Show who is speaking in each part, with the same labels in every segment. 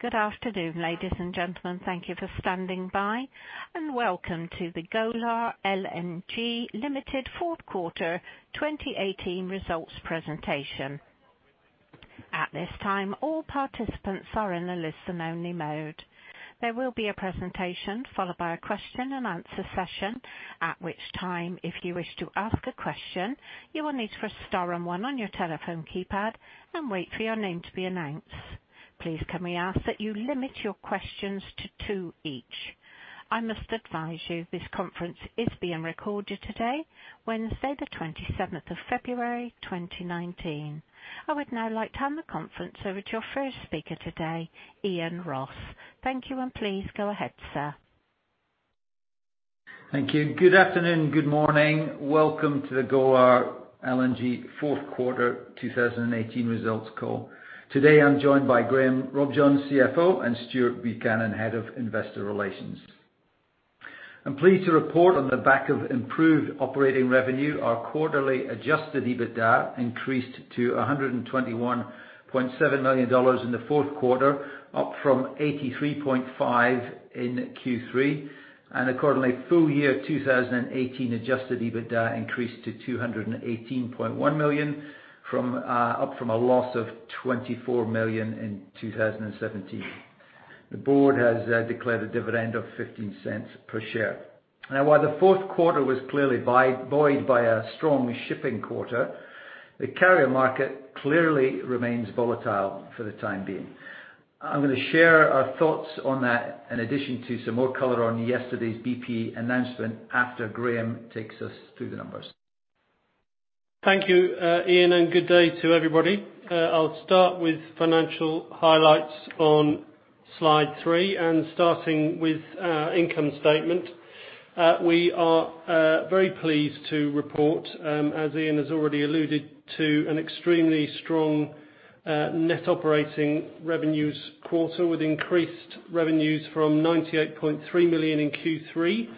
Speaker 1: Good afternoon, ladies and gentlemen. Thank you for standing by. Welcome to the Golar LNG Limited fourth quarter 2018 results presentation. At this time, all participants are in a listen-only mode. There will be a presentation followed by a question and answer session, at which time, if you wish to ask a question, you will need to press star and one on your telephone keypad and wait for your name to be announced. Please can we ask that you limit your questions to two each? I must advise you this conference is being recorded today, Wednesday the 27th of February, 2019. I would now like to hand the conference over to our first speaker today, Iain Ross. Thank you. Please go ahead, sir.
Speaker 2: Thank you. Good afternoon. Good morning. Welcome to the Golar LNG fourth quarter 2018 results call. Today, I'm joined by Graham Robjohns, CFO, and Stuart Buchanan, Head of Investor Relations. I'm pleased to report on the back of improved operating revenue, our quarterly adjusted EBITDA increased to $121.7 million in the fourth quarter, up from $83.5 million in Q3. Accordingly, full year 2018 adjusted EBITDA increased to $218.1 million, up from a loss of $24 million in 2017. The board has declared a dividend of $0.15 per share. Now, while the fourth quarter was clearly buoyed by a strong shipping quarter, the carrier market clearly remains volatile for the time being. I'm going to share our thoughts on that in addition to some more color on yesterday's BP announcement after Graham takes us through the numbers.
Speaker 3: Thank you, Iain. Good day to everybody. I'll start with financial highlights on slide three. Starting with our income statement. We are very pleased to report, as Iain has already alluded to, an extremely strong net operating revenues quarter with increased revenues from $98.3 million in Q3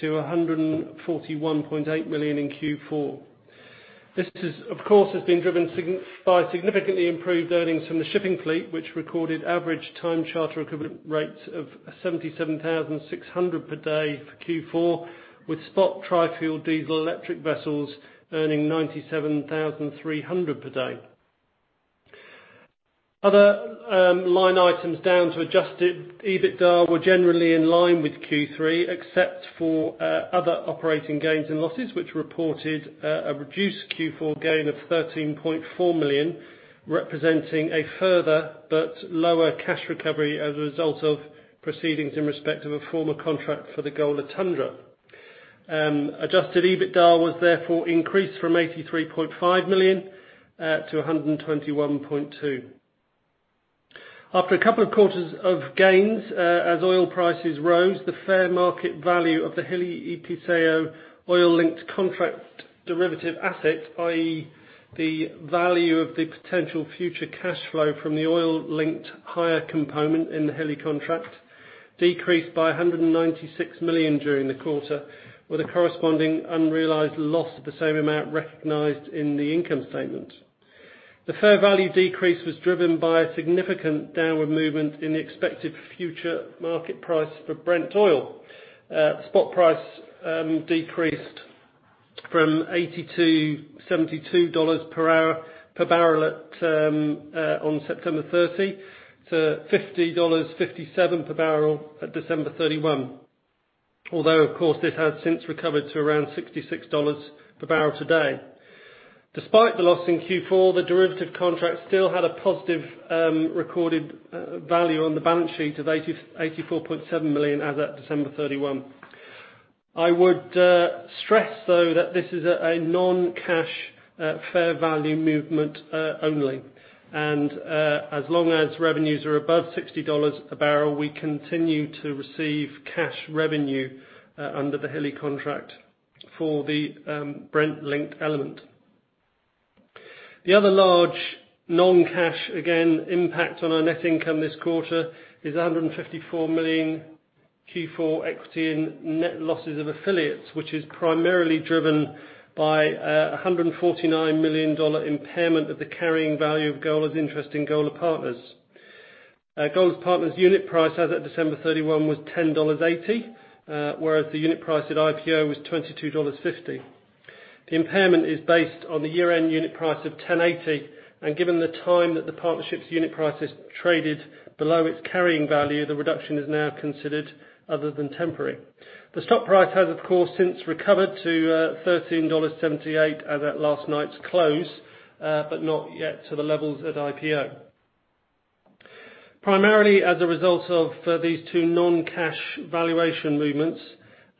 Speaker 3: to $141.8 million in Q4. This, of course, has been driven by significantly improved earnings from the shipping fleet, which recorded average time charter equivalent rates of $77,600 per day for Q4, with spot trifuel diesel electric vessels earning $97,300 per day. Other line items down to adjusted EBITDA were generally in line with Q3 except for other operating gains and losses, which reported a reduced Q4 gain of $13.4 million, representing a further but lower cash recovery as a result of proceedings in respect of a former contract for the Golar Tundra. Adjusted EBITDA was therefore increased from $83.5 million to $121.2 million. After a couple of quarters of gains, as oil prices rose, the fair market value of the Hilli Episeyo oil-linked contract derivative asset, i.e. the value of the potential future cash flow from the oil-linked higher component in the Hilli contract decreased by $196 million during the quarter with a corresponding unrealized loss of the same amount recognized in the income statement. The fair value decrease was driven by a significant downward movement in the expected future market price for Brent oil. Spot price decreased from $80 to $72 per hour per barrel on September 30 to $50.57 per barrel at December 31. Although, of course, this has since recovered to around $66 per barrel today. Despite the loss in Q4, the derivative contract still had a positive recorded value on the balance sheet of $84.7 million as at December 31. I would stress, though, that this is a non-cash, fair value movement only. As long as revenues are above $60 a barrel, we continue to receive cash revenue under the Hilli contract for the Brent-linked element. The other large non-cash, again, impact on our net income this quarter is $154 million Q4 equity in net losses of affiliates, which is primarily driven by $149 million impairment of the carrying value of Golar's interest in Golar Partners. Golar Partners unit price as at December 31 was $10.80, whereas the unit price at IPO was $22.50. The impairment is based on the year-end unit price of $10.80. Given the time that the partnership's unit price has traded below its carrying value, the reduction is now considered other than temporary. The stock price has, of course, since recovered to $13.78 as at last night's close, but not yet to the levels at IPO. Primarily as a result of these two non-cash valuation movements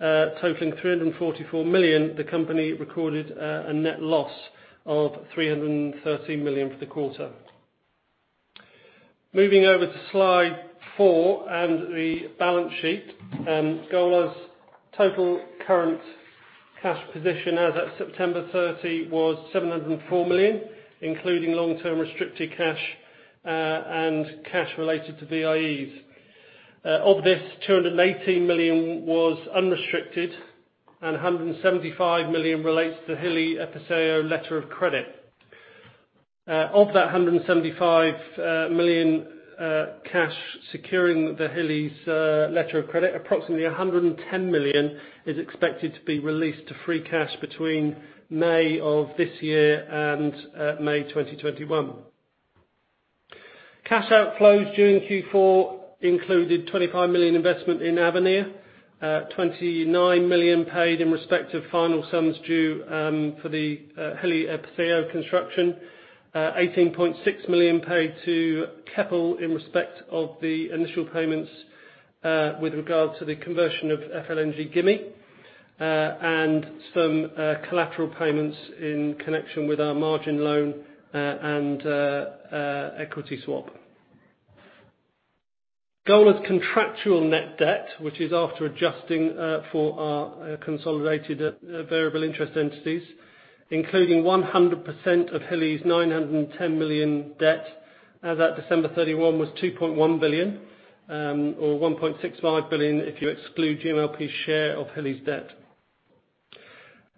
Speaker 3: totaling $344 million, the company recorded a net loss of $313 million for the quarter. Moving over to slide four and the balance sheet. Golar's total current cash position as at September 30 was $704 million, including long-term restricted cash and cash related to VIEs. Of this, $218 million was unrestricted, and $175 million relates to Hilli Episeyo letter of credit. Of that $175 million cash securing the Hilli's letter of credit, approximately $110 million is expected to be released to free cash between May of this year and May 2021. Cash outflows during Q4 included $25 million investment in Avenir, $29 million paid in respect of final sums due for the Hilli Episeyo construction, $18.6 million paid to Keppel in respect of the initial payments with regard to the conversion of FLNG Gimi, and some collateral payments in connection with our margin loan and equity swap. Golar's contractual net debt, which is after adjusting for our consolidated variable interest entities, including 100% of Hilli's $910 million debt as at December 31, was $2.1 billion, or $1.65 billion if you exclude GMLP share of Hilli's debt.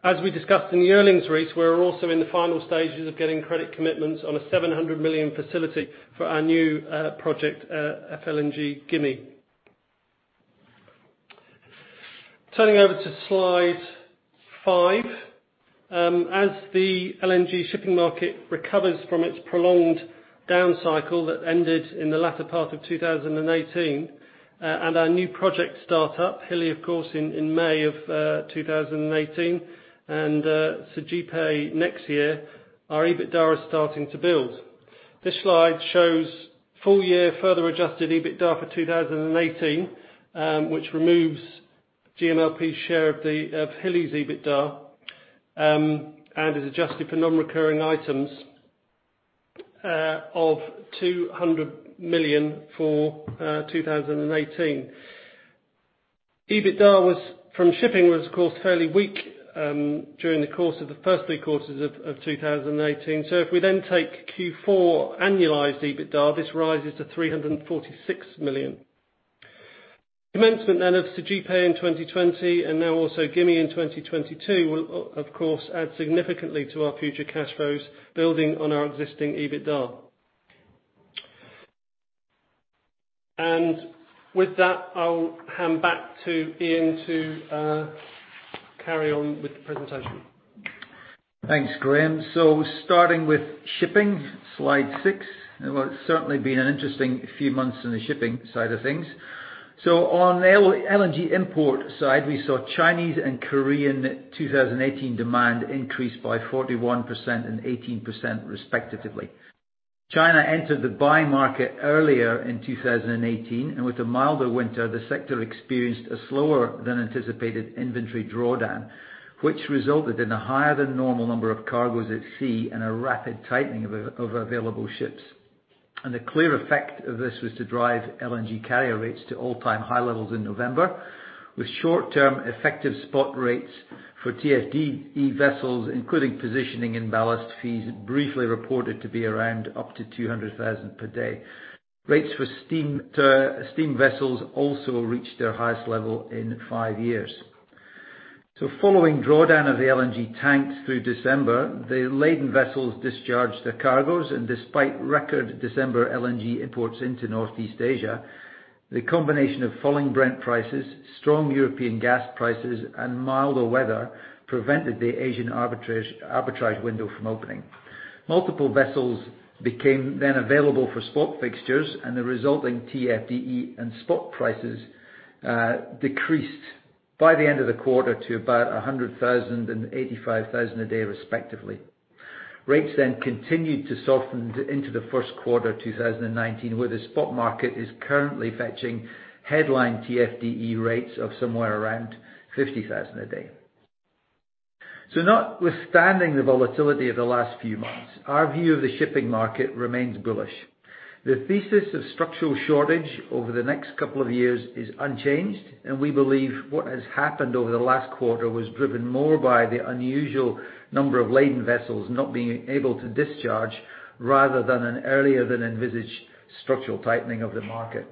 Speaker 3: As we discussed in the earnings call, we're also in the final stages of getting credit commitments on a $700 million facility for our new project, FLNG Gimi. Turning over to slide five. As the LNG shipping market recovers from its prolonged down cycle that ended in the latter part of 2018, and our new project start up, Hilli, of course, in May of 2018, and Sergipe next year, our EBITDA is starting to build. This slide shows full year further adjusted EBITDA for 2018, which removes GMLP's share of Hilli's EBITDA, and is adjusted for non-recurring items of $200 million for 2018. EBITDA from shipping was, of course, fairly weak during the course of the first three quarters of 2018. If we then take Q4 annualized EBITDA, this rises to $346 million. Commencement of Sergipe in 2020 and now also Gimi in 2022 will, of course, add significantly to our future cash flows building on our existing EBITDA. With that, I'll hand back to Iain to carry on with the presentation.
Speaker 2: Thanks, Graham. Starting with shipping, slide six. It has certainly been an interesting few months in the shipping side of things. On the LNG import side, we saw Chinese and Korean 2018 demand increase by 41% and 18%, respectively. China entered the buying market earlier in 2018, and with a milder winter, the sector experienced a slower than anticipated inventory drawdown, which resulted in a higher than normal number of cargoes at sea and a rapid tightening of available ships. The clear effect of this was to drive LNG carrier rates to all-time high levels in November, with short-term effective spot rates for TFDE vessels, including positioning and ballast fees, briefly reported to be around up to $200,000 per day. Rates for steam vessels also reached their highest level in five years. Following drawdown of the LNG tanks through December, the laden vessels discharged their cargoes, and despite record December LNG imports into Northeast Asia, the combination of falling Brent prices, strong European gas prices, and milder weather prevented the Asian arbitrage window from opening. Multiple vessels became then available for spot fixtures, the resulting TFDE and spot prices decreased by the end of the quarter to about $100,000 and $85,000 a day, respectively. Rates then continued to soften into the first quarter 2019, where the spot market is currently fetching headline TFDE rates of somewhere around $50,000 a day. Notwithstanding the volatility of the last few months, our view of the shipping market remains bullish. The thesis of structural shortage over the next couple of years is unchanged, we believe what has happened over the last quarter was driven more by the unusual number of laden vessels not being able to discharge, rather than an earlier than envisaged structural tightening of the market.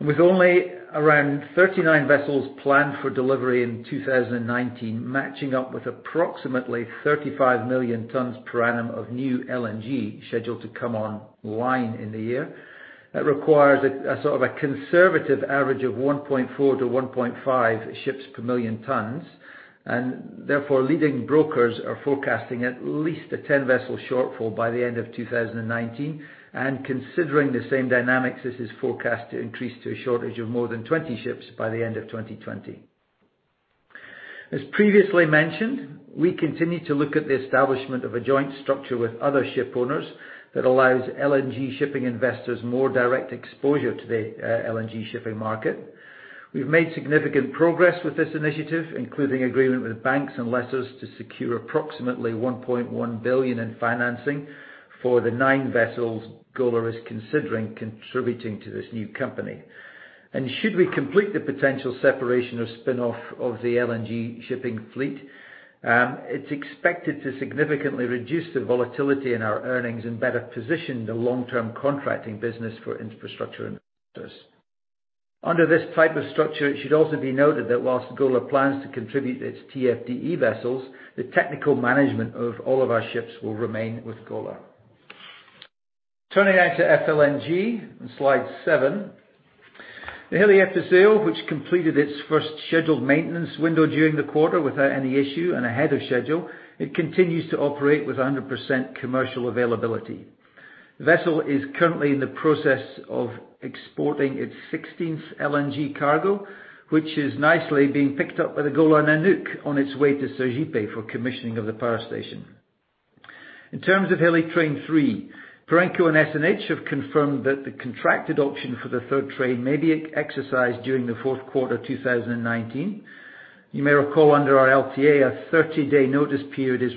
Speaker 2: With only around 39 vessels planned for delivery in 2019, matching up with approximately 35 million tons per annum of new LNG scheduled to come online in the year, it requires a conservative average of 1.4 to 1.5 ships per million tons. Therefore, leading brokers are forecasting at least a 10 vessel shortfall by the end of 2019. Considering the same dynamics, this is forecast to increase to a shortage of more than 20 ships by the end of 2020. As previously mentioned, we continue to look at the establishment of a joint structure with other ship owners that allows LNG shipping investors more direct exposure to the LNG shipping market. We've made significant progress with this initiative, including agreement with banks and lessors to secure approximately $1.1 billion in financing for the nine vessels Golar is considering contributing to this new company. Should we complete the potential separation or spin-off of the LNG shipping fleet, it's expected to significantly reduce the volatility in our earnings and better position the long-term contracting business for infrastructure investors. Under this type of structure, it should also be noted that whilst Golar plans to contribute its TFDE vessels, the technical management of all of our ships will remain with Golar. Turning now to FLNG on slide seven. The Hilli Episeyo, which completed its first scheduled maintenance window during the quarter without any issue and ahead of schedule, it continues to operate with 100% commercial availability. The vessel is currently in the process of exporting its 16th LNG cargo, which is nicely being picked up by the Golar Nanook on its way to Sergipe for commissioning of the power station. In terms of Hilli Train 3, Perenco and SNH have confirmed that the contracted option for the third train may be exercised during the fourth quarter 2019. You may recall under our LTA, a 30-day notice period is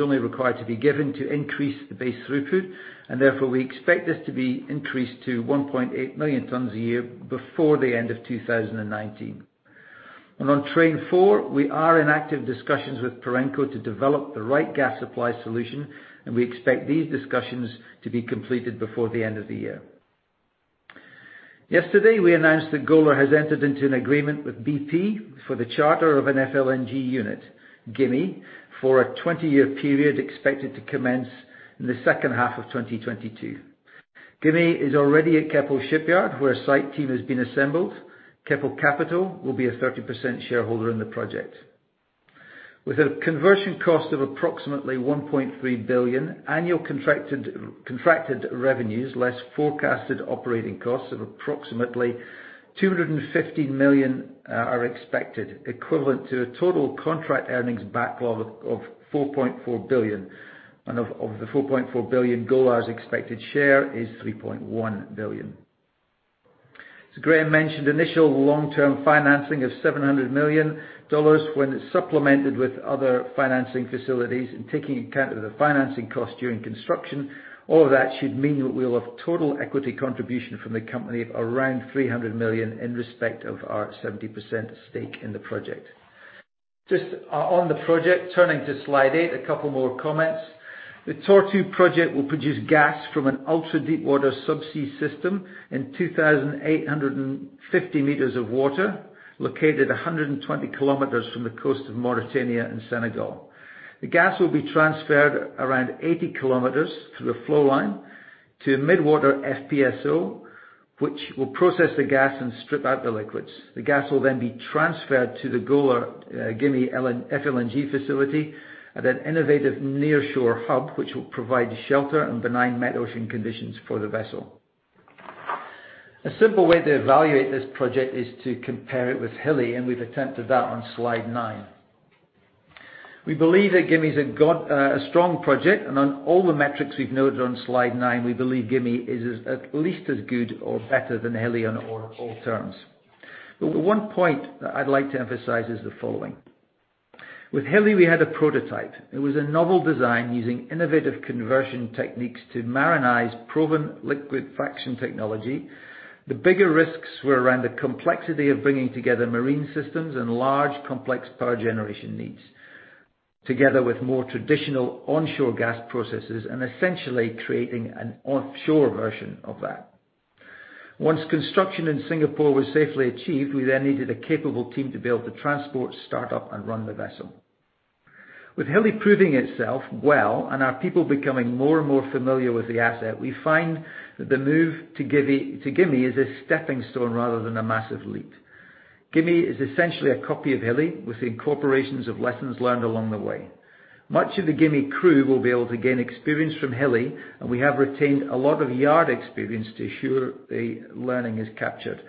Speaker 2: only required to be given to increase the base throughput, therefore, we expect this to be increased to 1.8 million tons a year before the end of 2019. On Train 4, we are in active discussions with Perenco to develop the right gas supply solution, we expect these discussions to be completed before the end of the year. Yesterday, we announced that Golar has entered into an agreement with BP for the charter of an FLNG unit, Gimi, for a 20-year period expected to commence in the second half of 2022. Gimi is already at Keppel Shipyard, where a site team has been assembled. Keppel Capital will be a 30% shareholder in the project. With a conversion cost of approximately $1.3 billion, annual contracted revenues less forecasted operating costs of approximately $250 million are expected, equivalent to a total contract earnings backlog of $4.4 billion. Of the $4.4 billion, Golar's expected share is $3.1 billion. As Graeme mentioned, initial long-term financing of $700 million when supplemented with other financing facilities and taking account of the financing cost during construction, all of that should mean that we'll have total equity contribution from the company of around $300 million in respect of our 70% stake in the project. Just on the project, turning to slide eight, a couple more comments. The Tortue project will produce gas from an ultra-deepwater subsea system in 2,850 meters of water, located 120 kilometers from the coast of Mauritania and Senegal. The gas will be transferred around 80 kilometers through the flow line to a mid-water FPSO, which will process the gas and strip out the liquids. The gas will be transferred to the Golar Gimi FLNG facility at an innovative nearshore hub which will provide shelter and benign met ocean conditions for the vessel. A simple way to evaluate this project is to compare it with Hilli, and we've attempted that on slide nine. We believe that Gimi is a strong project and on all the metrics we've noted on slide nine, we believe Gimi is at least as good or better than Hilli on all terms. But one point that I'd like to emphasize is the following. With Hilli, we had a prototype. It was a novel design using innovative conversion techniques to marinize proven liquid fraction technology. The bigger risks were around the complexity of bringing together marine systems and large complex power generation needs, together with more traditional onshore gas processes and essentially creating an offshore version of that. Once construction in Singapore was safely achieved, we then needed a capable team to build the transport, start up and run the vessel. With Hilli proving itself well and our people becoming more and more familiar with the asset, we find that the move to Gimi is a stepping stone rather than a massive leap. Gimi is essentially a copy of Hilli with the incorporations of lessons learned along the way. Much of the Gimi crew will be able to gain experience from Hilli, and we have retained a lot of yard experience to ensure the learning is captured.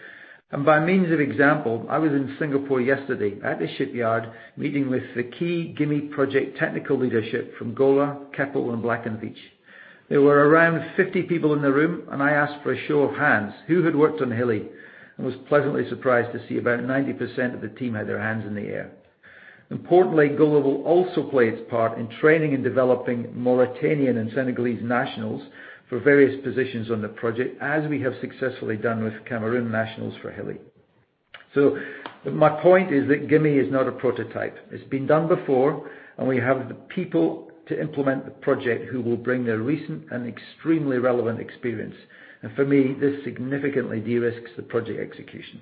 Speaker 2: By means of example, I was in Singapore yesterday at the shipyard, meeting with the key Gimi project technical leadership from Golar, Keppel and Black & Veatch. There were around 50 people in the room, and I asked for a show of hands who had worked on Hilli and was pleasantly surprised to see about 90% of the team had their hands in the air. Importantly, Golar will also play its part in training and developing Mauritanian and Senegalese nationals for various positions on the project, as we have successfully done with Cameroon nationals for Hilli. My point is that Gimi is not a prototype. It's been done before, and we have the people to implement the project who will bring their recent and extremely relevant experience. And for me, this significantly de-risks the project execution.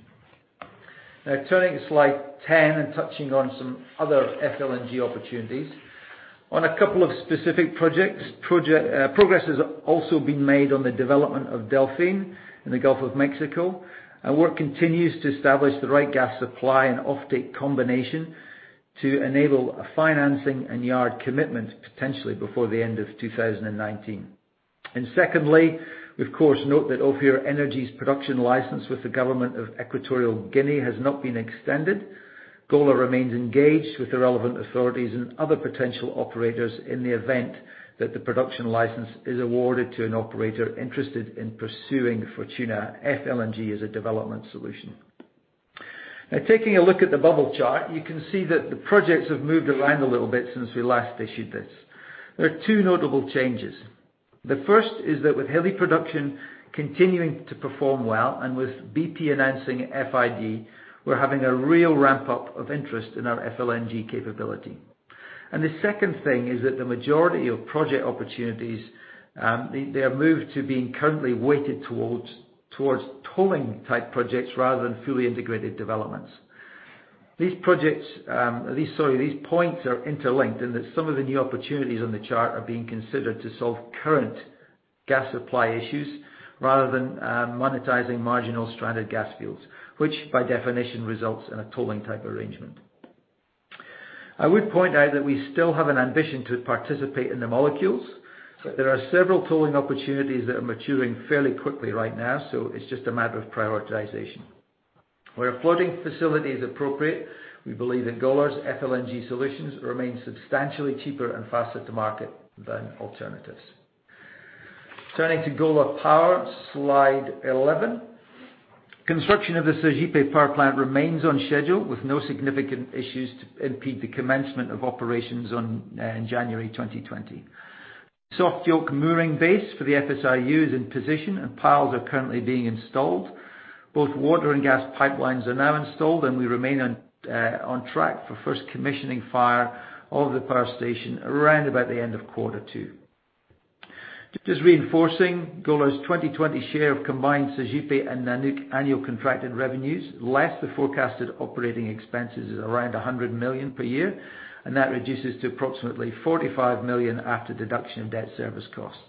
Speaker 2: Now turning to slide 10 and touching on some other FLNG opportunities. On a couple of specific projects, progress has also been made on the development of Delfin in the Gulf of Mexico, and work continues to establish the right gas supply and offtake combination to enable a financing and yard commitment potentially before the end of 2019. Secondly, we of course note that Ophir Energy's production license with the government of Equatorial Guinea has not been extended. Golar remains engaged with the relevant authorities and other potential operators in the event that the production license is awarded to an operator interested in pursuing Fortuna FLNG as a development solution. Now taking a look at the bubble chart, you can see that the projects have moved around a little bit since we last issued this. There are two notable changes. The first is that with Hilli production continuing to perform well and with BP announcing FID, we're having a real ramp-up of interest in our FLNG capability. The second thing is that the majority of project opportunities, they have moved to being currently weighted towards tolling-type projects rather than fully integrated developments. These points are interlinked in that some of the new opportunities on the chart are being considered to solve current gas supply issues rather than monetizing marginal stranded gas fields, which by definition results in a tolling-type arrangement. I would point out that we still have an ambition to participate in the molecules, but there are several tolling opportunities that are maturing fairly quickly right now, it's just a matter of prioritization. Where a floating facility is appropriate, we believe that Golar's FLNG solutions remain substantially cheaper and faster to market than alternatives. Turning to Golar Power, slide 11. Construction of the Sergipe power plant remains on schedule, with no significant issues to impede the commencement of operations in January 2020. Soft yoke mooring base for the FSRU is in position, and piles are currently being installed. Both water and gas pipelines are now installed, we remain on track for first commissioning fire of the power station around about the end of quarter two. Just reinforcing Golar's 2020 share of combined Sergipe and Golar Nanook annual contracted revenues, less the forecasted operating expenses is around $100 million per year, that reduces to approximately $45 million after deduction of debt service costs.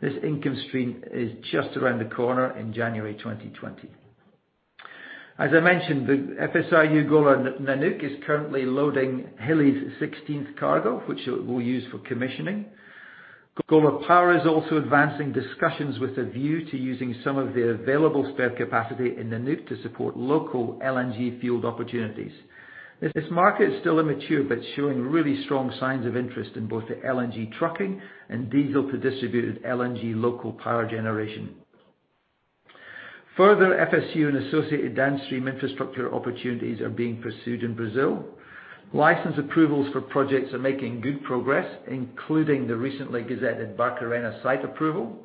Speaker 2: This income stream is just around the corner in January 2020. As I mentioned, the FSRU Golar Nanook is currently loading Hilli's 16th cargo, which we'll use for commissioning. Golar Power is also advancing discussions with a view to using some of the available spare capacity in Golar Nanook to support local LNG fueled opportunities. This market is still immature, but showing really strong signs of interest in both the LNG trucking and diesel to distributed LNG local power generation. Further FSU and associated downstream infrastructure opportunities are being pursued in Brazil. License approvals for projects are making good progress, including the recently gazetted Barcarena site approval.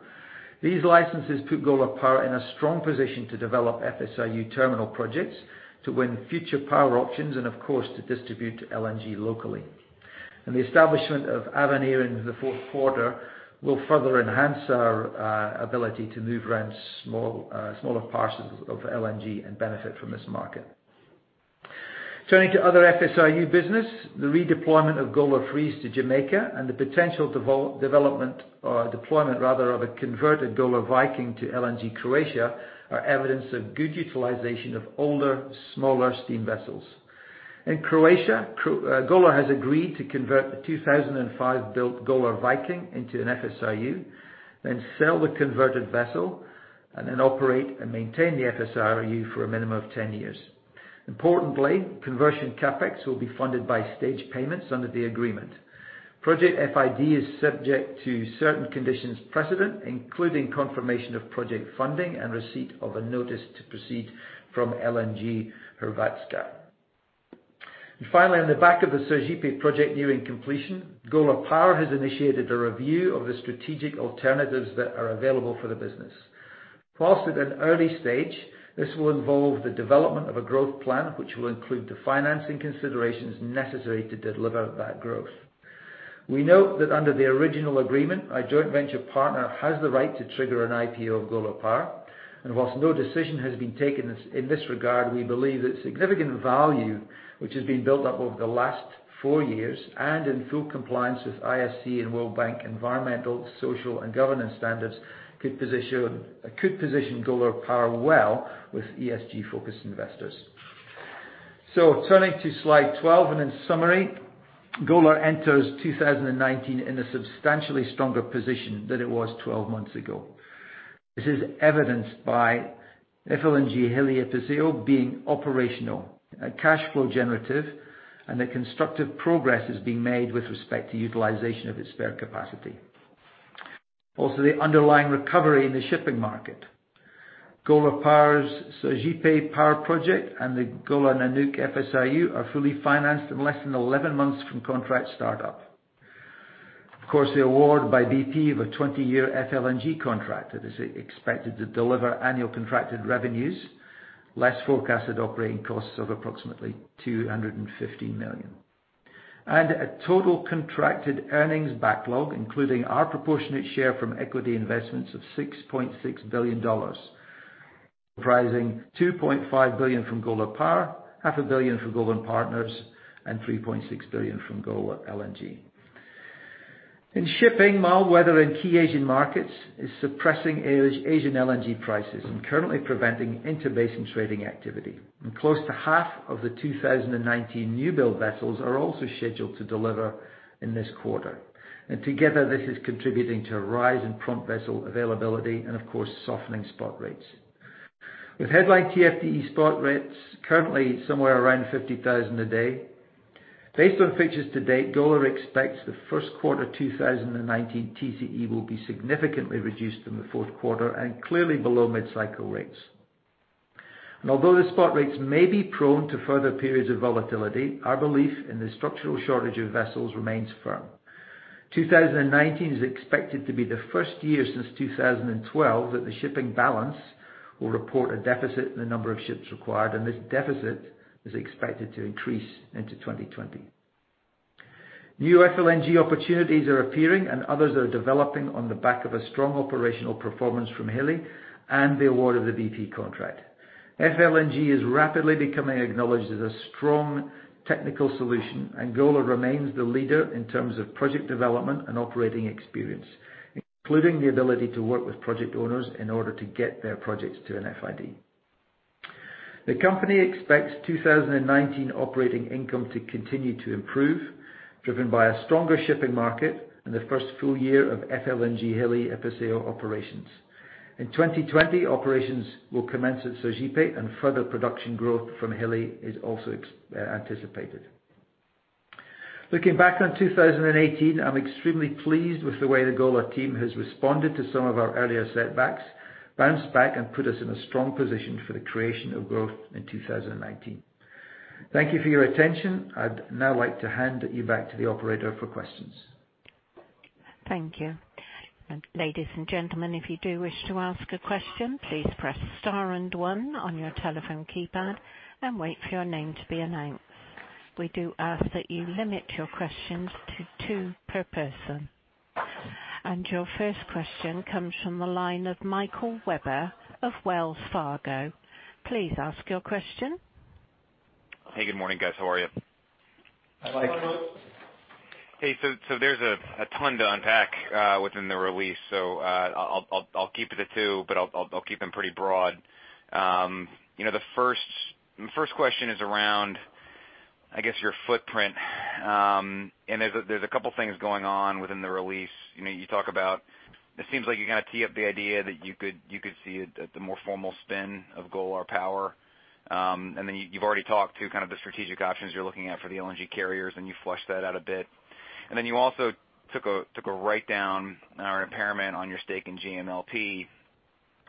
Speaker 2: These licenses put Golar Power in a strong position to develop FSRU terminal projects, to win future power options, and of course, to distribute LNG locally. The establishment of Avenir in the fourth quarter will further enhance our ability to move around smaller parcels of LNG and benefit from this market. Turning to other FSRU business, the redeployment of Golar Freeze to Jamaica and the potential development or deployment rather, of a converted Golar Viking to LNG Croatia are evidence of good utilization of older, smaller steam vessels. In Croatia, Golar has agreed to convert the 2005-built Golar Viking into an FSRU, then sell the converted vessel, then operate and maintain the FSRU for a minimum of 10 years. Importantly, conversion CapEx will be funded by staged payments under the agreement. Project FID is subject to certain conditions precedent, including confirmation of project funding and receipt of a notice to proceed from LNG Hrvatska. Finally, on the back of the Sergipe project nearing completion, Golar Power has initiated a review of the strategic alternatives that are available for the business. Whilst at an early stage, this will involve the development of a growth plan, which will include the financing considerations necessary to deliver that growth. We note that under the original agreement, our joint venture partner has the right to trigger an IPO of Golar Power. Whilst no decision has been taken in this regard, we believe the significant value which has been built up over the last four years and in full compliance with IFC and World Bank environmental, social, and governance standards could position Golar Power well with ESG-focused investors. Turning to slide 12 and in summary, Golar enters 2019 in a substantially stronger position than it was 12 months ago. This is evidenced by FLNG Hilli Episeyo being operational and cash flow generative, and that constructive progress is being made with respect to utilization of its spare capacity. Also, the underlying recovery in the shipping market. Golar Power's Sergipe power project and the Golar Nanook FSRU are fully financed in less than 11 months from contract startup. Of course, the award by BP of a 20-year FLNG contract that is expected to deliver annual contracted revenues, less forecasted operating costs of approximately $250 million. A total contracted earnings backlog, including our proportionate share from equity investments of $6.6 billion, comprising $2.5 billion from Golar Power, half a billion from Golar Partners, and $3.6 billion from Golar LNG. In shipping, mild weather in key Asian markets is suppressing Asian LNG prices and currently preventing interbasin trading activity. Close to half of the 2019 new-build vessels are also scheduled to deliver in this quarter. Together, this is contributing to a rise in prompt vessel availability and of course, softening spot rates. With headline TFDE spot rates currently somewhere around $50,000 a day. Based on fixes to date, Golar expects the first quarter 2019 TCE will be significantly reduced from the fourth quarter and clearly below mid-cycle rates. Although the spot rates may be prone to further periods of volatility, our belief in the structural shortage of vessels remains firm. 2019 is expected to be the first year since 2012 that the shipping balance will report a deficit in the number of ships required, and this deficit is expected to increase into 2020. New FLNG opportunities are appearing and others are developing on the back of a strong operational performance from Hilli and the award of the BP contract. FLNG is rapidly becoming acknowledged as a strong technical solution, and Golar remains the leader in terms of project development and operating experience, including the ability to work with project owners in order to get their projects to an FID. The company expects 2019 operating income to continue to improve, driven by a stronger shipping market and the first full year of FLNG Hilli Episeyo operations. In 2020, operations will commence at Sergipe and further production growth from Hilli is also anticipated. Looking back on 2018, I'm extremely pleased with the way the Golar team has responded to some of our earlier setbacks, bounced back and put us in a strong position for the creation of growth in 2019. Thank you for your attention. I'd now like to hand you back to the operator for questions.
Speaker 1: Thank you. Ladies and gentlemen, if you do wish to ask a question, please press star 1 on your telephone keypad and wait for your name to be announced. We do ask that you limit your questions to two per person. Your first question comes from the line of Michael Webber of Wells Fargo. Please ask your question.
Speaker 4: Hey, good morning, guys. How are you?
Speaker 2: Hi, Michael.
Speaker 4: There's a ton to unpack within the release. I'll keep it to two, but I'll keep them pretty broad. The first question is around, I guess, your footprint. There's a couple things going on within the release. You talk about, it seems like you kind of tee up the idea that you could see the more formal spin of Golar Power. You've already talked to kind of the strategic options you're looking at for the LNG carriers, and you fleshed that out a bit. You also took a write-down or impairment on your stake in GMLP.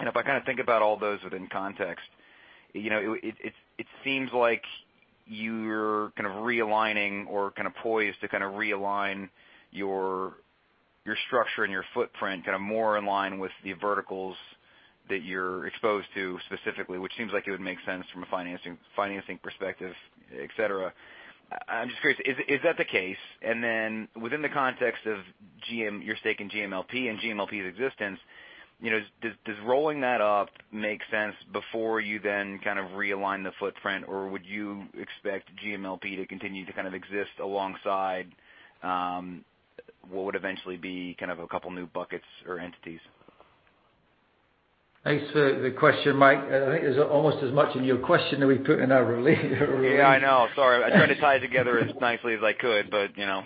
Speaker 4: If I think about all those within context, it seems like you're realigning or poised to realign your structure and your footprint more in line with the verticals that you're exposed to specifically, which seems like it would make sense from a financing perspective, et cetera. I'm just curious, is that the case? Within the context of your stake in GMLP and GMLP's existence, does rolling that up make sense before you then realign the footprint, or would you expect GMLP to continue to exist alongside what would eventually be a couple new buckets or entities?
Speaker 2: Thanks for the question, Mike. I think there's almost as much in your question that we put in our release.
Speaker 4: Yeah, I know. Sorry. I tried to tie it together as nicely as I could, you know.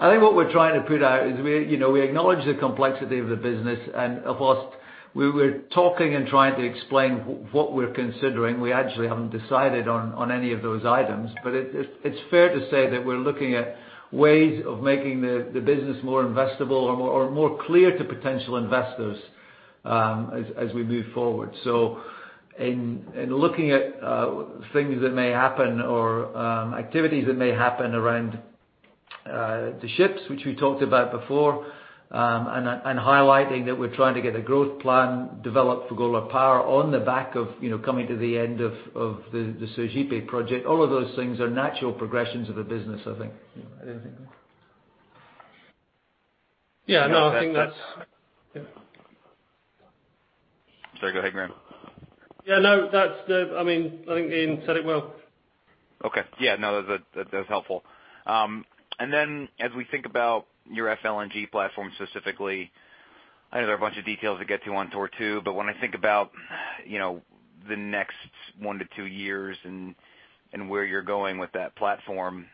Speaker 2: I think what we're trying to put out is we acknowledge the complexity of the business, and whilst we were talking and trying to explain what we're considering, we actually haven't decided on any of those items. It's fair to say that we're looking at ways of making the business more investable or more clear to potential investors as we move forward. In looking at things that may happen or activities that may happen around the ships, which we talked about before, and highlighting that we're trying to get a growth plan developed for Golar Power on the back of coming to the end of the Sergipe project. All of those things are natural progressions of the business, I think. Anything?
Speaker 3: Yeah, no, I think that's Yeah.
Speaker 4: Sorry. Go ahead, Graham.
Speaker 3: Yeah, no, I think Iain said it well.
Speaker 4: Okay. Yeah, no, that's helpful. As we think about your FLNG platform specifically, I know there are a bunch of details to get to on Tortue, but when I think about the next 1-2 years and where you're going with that platform,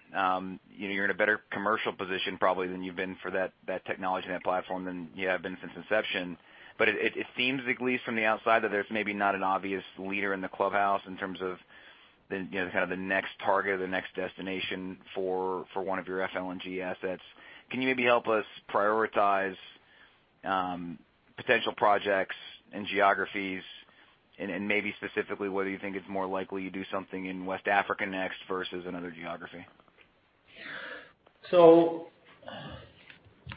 Speaker 4: you're in a better commercial position probably than you've been for that technology and that platform than you have been since inception. It seems, at least from the outside, that there's maybe not an obvious leader in the clubhouse in terms of the next target or the next destination for one of your FLNG assets. Can you maybe help us prioritize potential projects and geographies and, maybe specifically, whether you think it's more likely you do something in West Africa next versus another geography?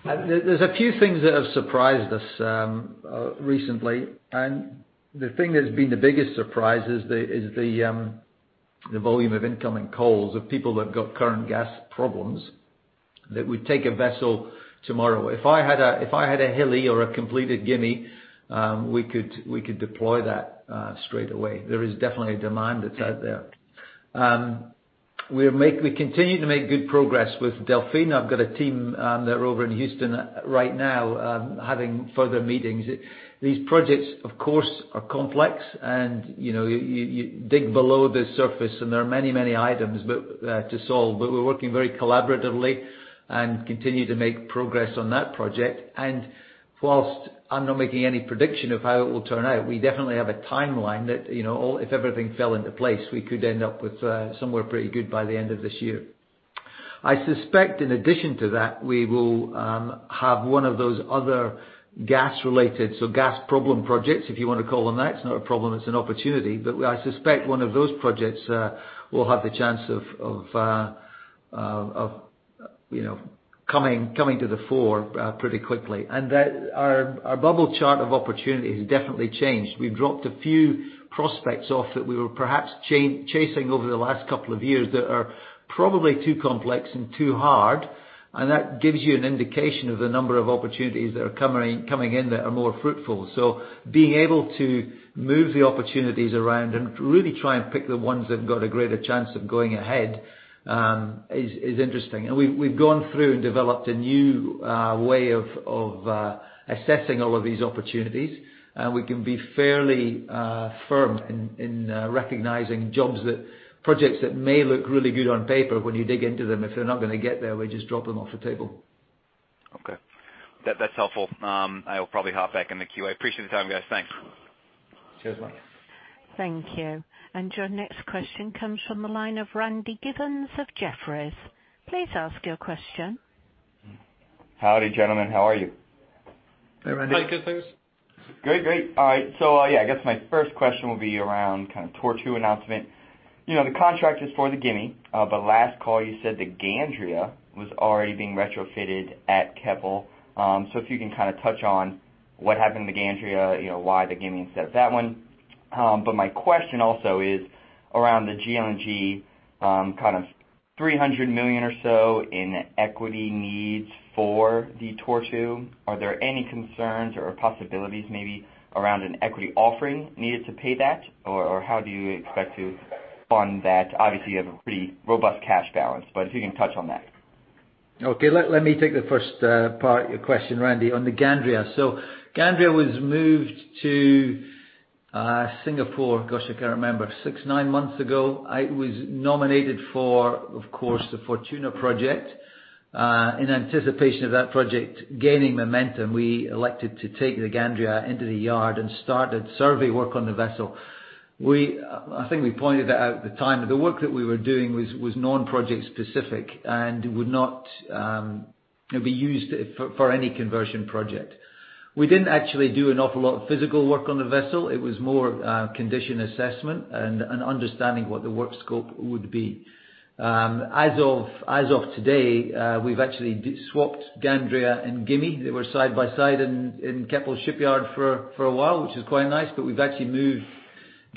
Speaker 2: There's a few things that have surprised us recently, and the thing that's been the biggest surprise is the volume of incoming calls of people that have got current gas problems that would take a vessel tomorrow. If I had a Hilli or a completed Gimi, we could deploy that straight away. There is definitely a demand that's out there. We continue to make good progress with Delfin. I've got a team that are over in Houston right now having further meetings. These projects, of course, are complex and you dig below the surface and there are many items to solve. We're working very collaboratively and continue to make progress on that project. Whilst I'm not making any prediction of how it will turn out, we definitely have a timeline that if everything fell into place, we could end up with somewhere pretty good by the end of this year. I suspect in addition to that, we will have one of those other gas-related, so gas problem projects, if you want to call them that. It's not a problem, it's an opportunity. I suspect one of those projects will have the chance of coming to the fore pretty quickly. Our bubble chart of opportunities has definitely changed. We've dropped a few prospects off that we were perhaps chasing over the last couple of years that are probably too complex and too hard, and that gives you an indication of the number of opportunities that are coming in that are more fruitful. Being able to move the opportunities around and really try and pick the ones that have got a greater chance of going ahead, is interesting. We've gone through and developed a new way of assessing all of these opportunities. We can be fairly firm in recognizing projects that may look really good on paper, but when you dig into them, if they're not going to get there, we just drop them off the table.
Speaker 4: Okay. That's helpful. I will probably hop back in the queue. I appreciate the time, guys. Thanks.
Speaker 2: Cheers, mate.
Speaker 1: Thank you. Your next question comes from the line of Randy Giveans of Jefferies. Please ask your question.
Speaker 5: Howdy, gentlemen. How are you?
Speaker 2: Hey, Randy.
Speaker 3: Hi, good. Thanks.
Speaker 5: Great. All right. Yeah, I guess my first question will be around Tortue announcement. The contract is for the Gimi, but last call you said the Gandria was already being retrofitted at Keppel. If you can touch on what happened to Gandria, why the Gimi instead of that one? My question also is around the GLNG, $300 million or so in equity needs for the Tortue. Are there any concerns or possibilities maybe around an equity offering needed to pay that? How do you expect to fund that? Obviously, you have a pretty robust cash balance, if you can touch on that.
Speaker 2: Okay. Let me take the first part of your question, Randy, on the Gandria. Gandria was moved to Singapore, gosh, I can't remember, six, nine months ago. It was nominated for, of course, the Fortuna project. In anticipation of that project gaining momentum, we elected to take the Gandria into the yard and started survey work on the vessel. I think we pointed that out at the time, that the work that we were doing was non-project specific and would not be used for any conversion project. We didn't actually do an awful lot of physical work on the vessel. It was more condition assessment and understanding what the work scope would be. As of today, we've actually swapped Gandria and Gimi. They were side by side in Keppel Shipyard for a while, which is quite nice, we've actually moved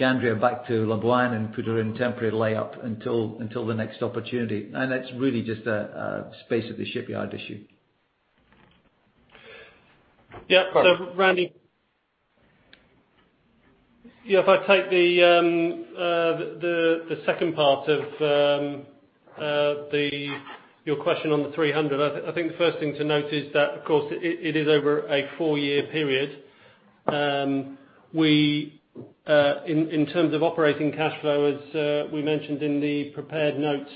Speaker 2: Gandria back to Labuan and put her in temporary layup until the next opportunity. That's really just a space at the shipyard issue.
Speaker 3: Yeah. Randy. If I take the second part of your question on the 300, I think the first thing to note is that, of course, it is over a 4-year period. In terms of operating cash flow, as we mentioned in the prepared notes,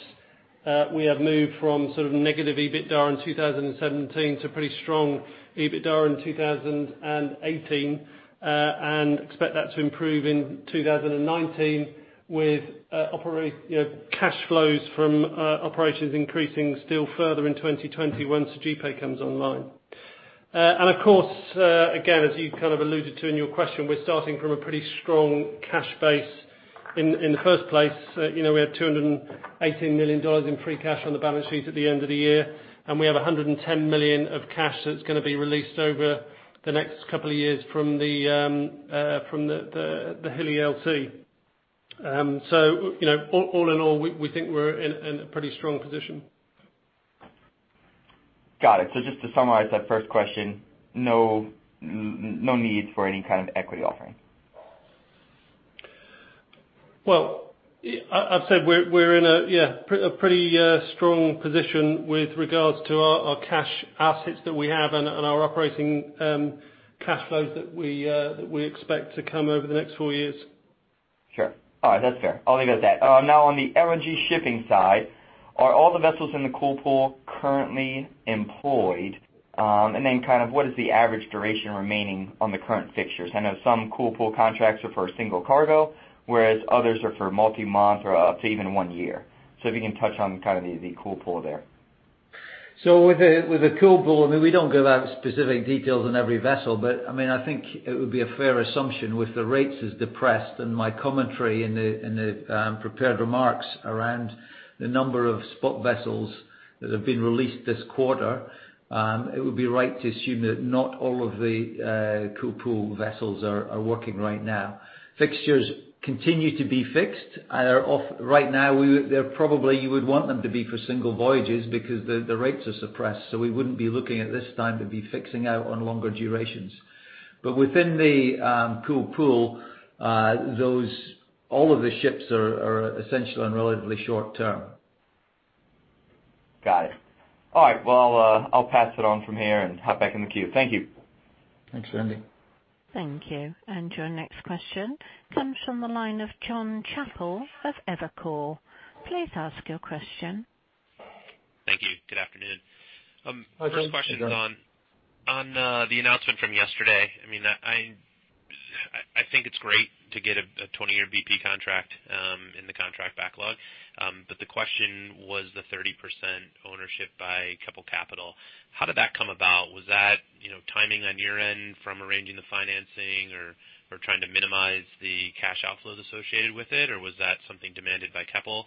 Speaker 3: we have moved from sort of negative EBITDA in 2017 to pretty strong EBITDA in 2018. Expect that to improve in 2019 with cash flows from operations increasing still further in 2020 once Sergipe comes online. Of course, again, as you kind of alluded to in your question, we're starting from a pretty strong cash base in the first place. We had $218 million in free cash on the balance sheet at the end of the year, and we have $110 million of cash that's going to be released over the next couple of years from the Hilli LC. All in all, we think we're in a pretty strong position.
Speaker 5: Got it. Just to summarize that first question, no need for any kind of equity offering?
Speaker 3: Well, I'd say we're in a pretty strong position with regards to our cash assets that we have and our operating cash flows that we expect to come over the next 4 years.
Speaker 5: Sure. All right. That's fair. I'll leave it at that. Now on the LNG shipping side, are all the vessels in the Cool Pool currently employed? What is the average duration remaining on the current fixtures? I know some Cool Pool contracts are for a single cargo, whereas others are for multi-month or up to even one year. If you can touch on the Cool Pool there.
Speaker 2: With the Cool Pool, I mean, we don't give out specific details on every vessel, but I think it would be a fair assumption with the rates as depressed and my commentary in the prepared remarks around the number of spot vessels that have been released this quarter, it would be right to assume that not all of the Cool Pool vessels are working right now. Fixtures continue to be fixed, right now, probably you would want them to be for single voyages because the rates are suppressed, we wouldn't be looking at this time to be fixing out on longer durations. Within the Cool Pool, all of the ships are essentially on relatively short-term.
Speaker 5: Got it. All right. Well, I'll pass it on from here and hop back in the queue. Thank you.
Speaker 2: Thanks, Randy.
Speaker 1: Thank you. Your next question comes from the line of Jonathan Chappell of Evercore. Please ask your question.
Speaker 6: Thank you. Good afternoon.
Speaker 2: Hi, John.
Speaker 3: Hi, John.
Speaker 6: First question is on the announcement from yesterday. I mean, I think it's great to get a 20-year BP contract in the contract backlog. The question was the 30% ownership by Keppel Capital. How did that come about? Was that timing on your end from arranging the financing, or trying to minimize the cash outflows associated with it, or was that something demanded by Keppel?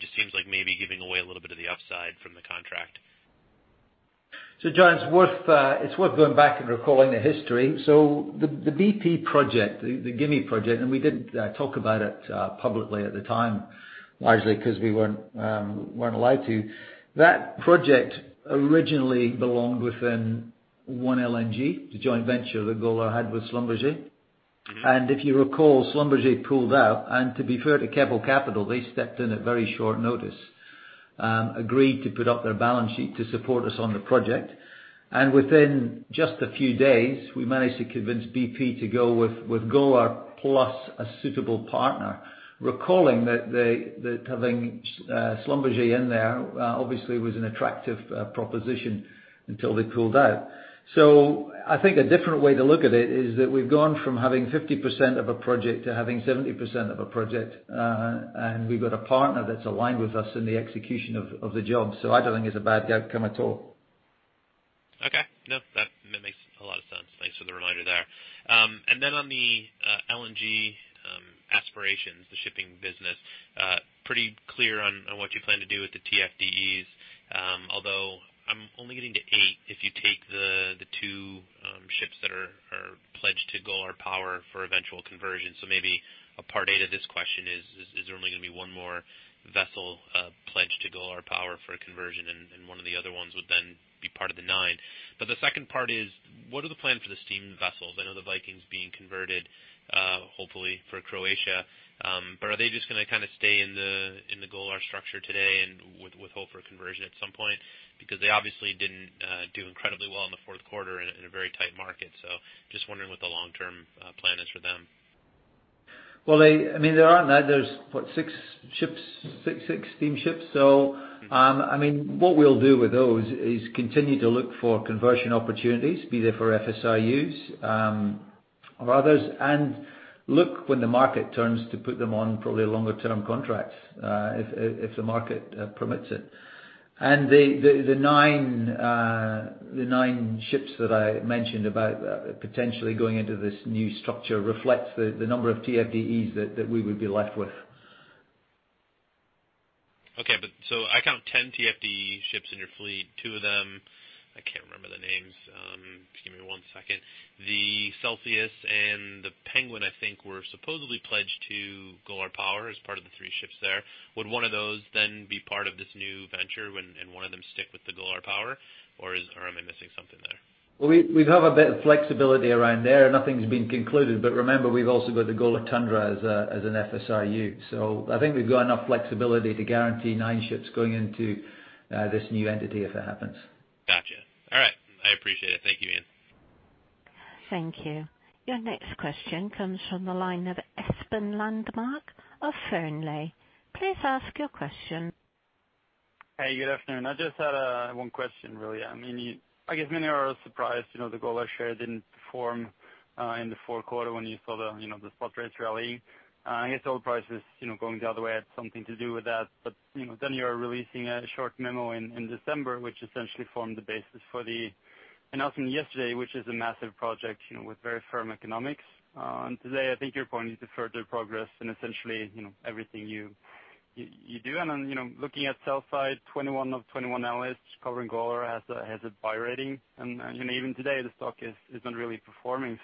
Speaker 6: Just seems like maybe giving away a little bit of the upside from the contract.
Speaker 2: John, it's worth going back and recalling the history. The BP project, the Gimi project, and we didn't talk about it publicly at the time, largely because we weren't allowed to. That project originally belonged within OneLNG, the joint venture that Golar had with Schlumberger. If you recall, Schlumberger pulled out. To be fair to Keppel Capital, they stepped in at very short notice, agreed to put up their balance sheet to support us on the project. Within just a few days, we managed to convince BP to go with Golar plus a suitable partner. Recalling that having Schlumberger in there obviously was an attractive proposition until they pulled out. I think a different way to look at it is that we've gone from having 50% of a project to having 70% of a project. We've got a partner that's aligned with us in the execution of the job. I don't think it's a bad outcome at all.
Speaker 6: No, that makes a lot of sense. Thanks for the reminder there. Then on the LNG aspirations, the shipping business, pretty clear on what you plan to do with the TFDEs. Although I'm only getting to eight if you take the two ships that are pledged to Golar Power for eventual conversion. Maybe a part A to this question is there only going to be one more vessel pledged to Golar Power for a conversion and one of the other ones would then be part of the nine? The second part is what are the plans for the steam vessels? I know the Viking's being converted, hopefully for Croatia. Are they just going to stay in the Golar structure today and with hope for a conversion at some point? Because they obviously didn't do incredibly well in the fourth quarter in a very tight market. Just wondering what the long-term plan is for them.
Speaker 2: Well, there aren't There's, what, six steamships. What we'll do with those is continue to look for conversion opportunities, be they for FSRUs or others, and look when the market turns to put them on probably longer term contracts, if the market permits it. The nine ships that I mentioned about potentially going into this new structure reflects the number of TFDEs that we would be left with.
Speaker 6: Okay. I count 10 TFDE ships in your fleet. Two of them, I can't remember the names. Just give me one second. The Celsius and the Penguin, I think, were supposedly pledged to Golar Power as part of the three ships there. Would one of those then be part of this new venture and one of them stick with the Golar Power, or am I missing something there?
Speaker 2: Well, we have a bit of flexibility around there. Nothing's been concluded, remember, we've also got the Golar Tundra as an FSRU. I think we've got enough flexibility to guarantee nine ships going into this new entity if it happens.
Speaker 6: Got you. All right. I appreciate it. Thank you, Iain.
Speaker 1: Thank you. Your next question comes from the line of Espen Landmark of Fearnley. Please ask your question.
Speaker 7: Hey, good afternoon. I just had one question really. I guess many are surprised the Golar share didn't perform in the fourth quarter when you saw the spot rates rallying. I guess oil prices going the other way had something to do with that. You're releasing a short memo in December, which essentially formed the basis for the announcement yesterday, which is a massive project with very firm economics. Today, I think you're pointing to further progress in essentially everything you do. Looking at sell side, 21 of 21 analysts covering Golar has a buy rating. Even today, the stock is not really performing.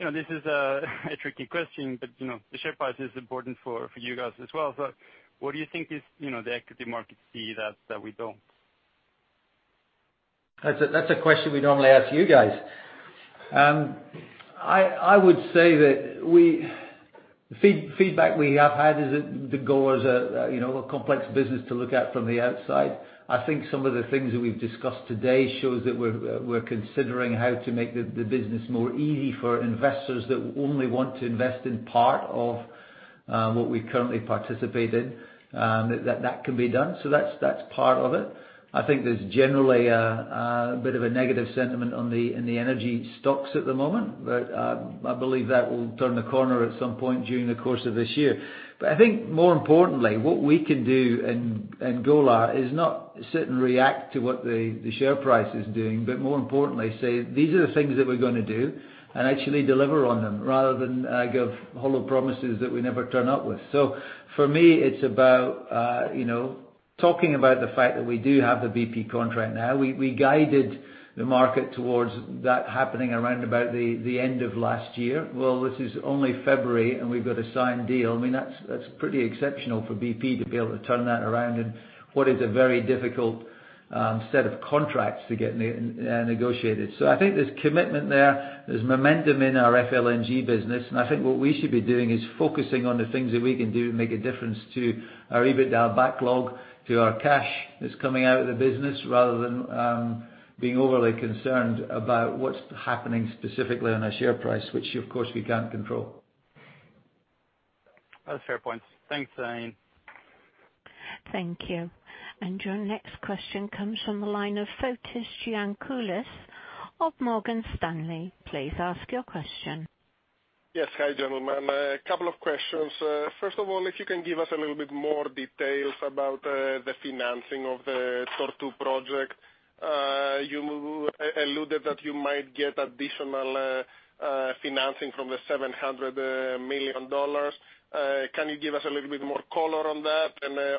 Speaker 7: This is a tricky question, but the share price is important for you guys as well. What do you think is the equity market see that we don't?
Speaker 2: That's a question we normally ask you guys. I would say that feedback we have had is that Golar is a complex business to look at from the outside. I think some of the things that we've discussed today shows that we're considering how to make the business more easy for investors that only want to invest in part of what we currently participate in, that that can be done. That's part of it. I think there's generally a bit of a negative sentiment in the energy stocks at the moment. I believe that will turn a corner at some point during the course of this year. I think more importantly, what we can do in Golar is not sit and react to what the share price is doing, but more importantly say, these are the things that we're going to do and actually deliver on them rather than give hollow promises that we never turn up with. For me, it's about talking about the fact that we do have the BP contract now. We guided the market towards that happening around about the end of last year. Well, this is only February and we've got a signed deal. That's pretty exceptional for BP to be able to turn that around in what is a very difficult set of contracts to get negotiated. I think there's commitment there. There's momentum in our FLNG business, I think what we should be doing is focusing on the things that we can do to make a difference to our EBITDA backlog, to our cash that's coming out of the business, rather than being overly concerned about what's happening specifically on our share price, which of course, we can't control.
Speaker 7: Those are fair points. Thanks, Iain.
Speaker 1: Thank you. Your next question comes from the line of Fotis Giannakoulis of Morgan Stanley. Please ask your question.
Speaker 8: Yes. Hi, gentlemen. A couple of questions. First of all, if you can give us a little bit more details about the financing of the Tortue project. You alluded that you might get additional financing from the $700 million. Can you give us a little bit more color on that?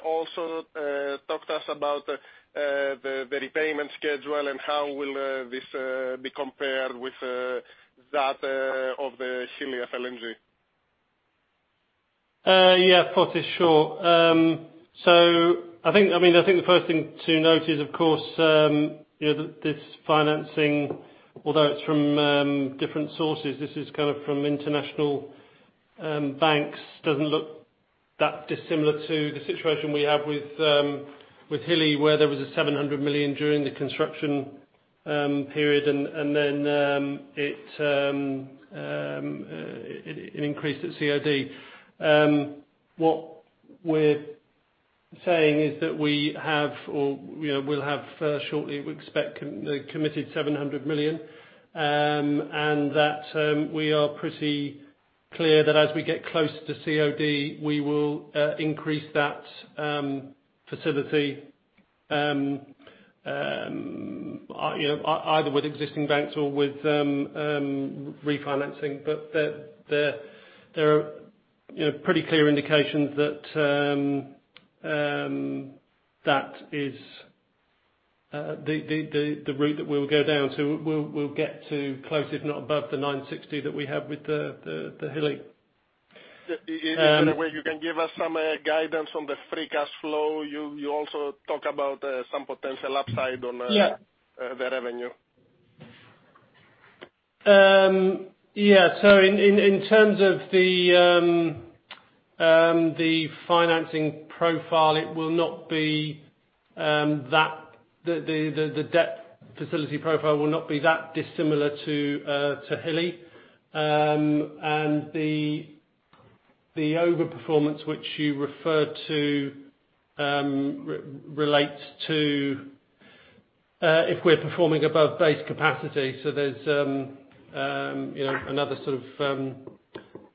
Speaker 8: Also talk to us about the repayment schedule and how will this be compared with that of the Hilli FLNG.
Speaker 3: Yeah. Fotis, sure. I think the first thing to note is, of course, this financing, although it's from different sources, this is from international banks, doesn't look that dissimilar to the situation we have with Hilli, where there was a $700 million during the construction period, and then it increased at COD. What we're saying is that we have or we'll have shortly, we expect, the committed $700 million. We are pretty clear that as we get close to COD, we will increase that facility either with existing banks or with refinancing. There are pretty clear indications that is the route that we'll go down, so we'll get to close, if not above the 960 that we have with the Hilli.
Speaker 8: Is there a way you can give us some guidance on the free cash flow? You also talk about some potential upside on-
Speaker 3: Yeah
Speaker 8: the revenue.
Speaker 3: Yeah. In terms of the financing profile, the debt facility profile will not be that dissimilar to Hilli. The over performance which you referred to relates to if we're performing above base capacity. There's another sort of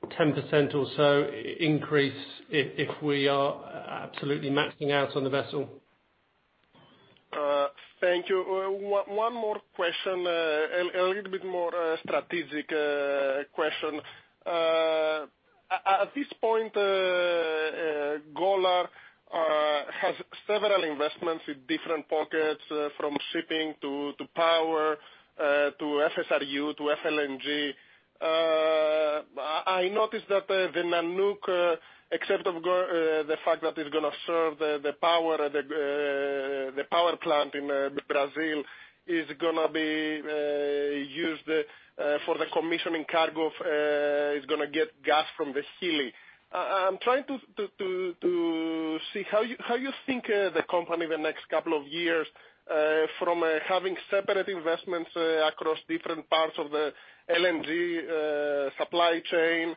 Speaker 3: 10% or so increase if we are absolutely maxing out on the vessel.
Speaker 8: Thank you. One more question. A little bit more strategic question. At this point, Golar has several investments with different pockets, from shipping to power, to FSRU, to FLNG. I noticed that the Nanook, except of the fact that it's going to serve the power plant in Brazil, is going to be used for the commissioning cargo, is going to get gas from the Hilli. I'm trying to see how you think the company the next couple of years, from having separate investments across different parts of the LNG supply chain,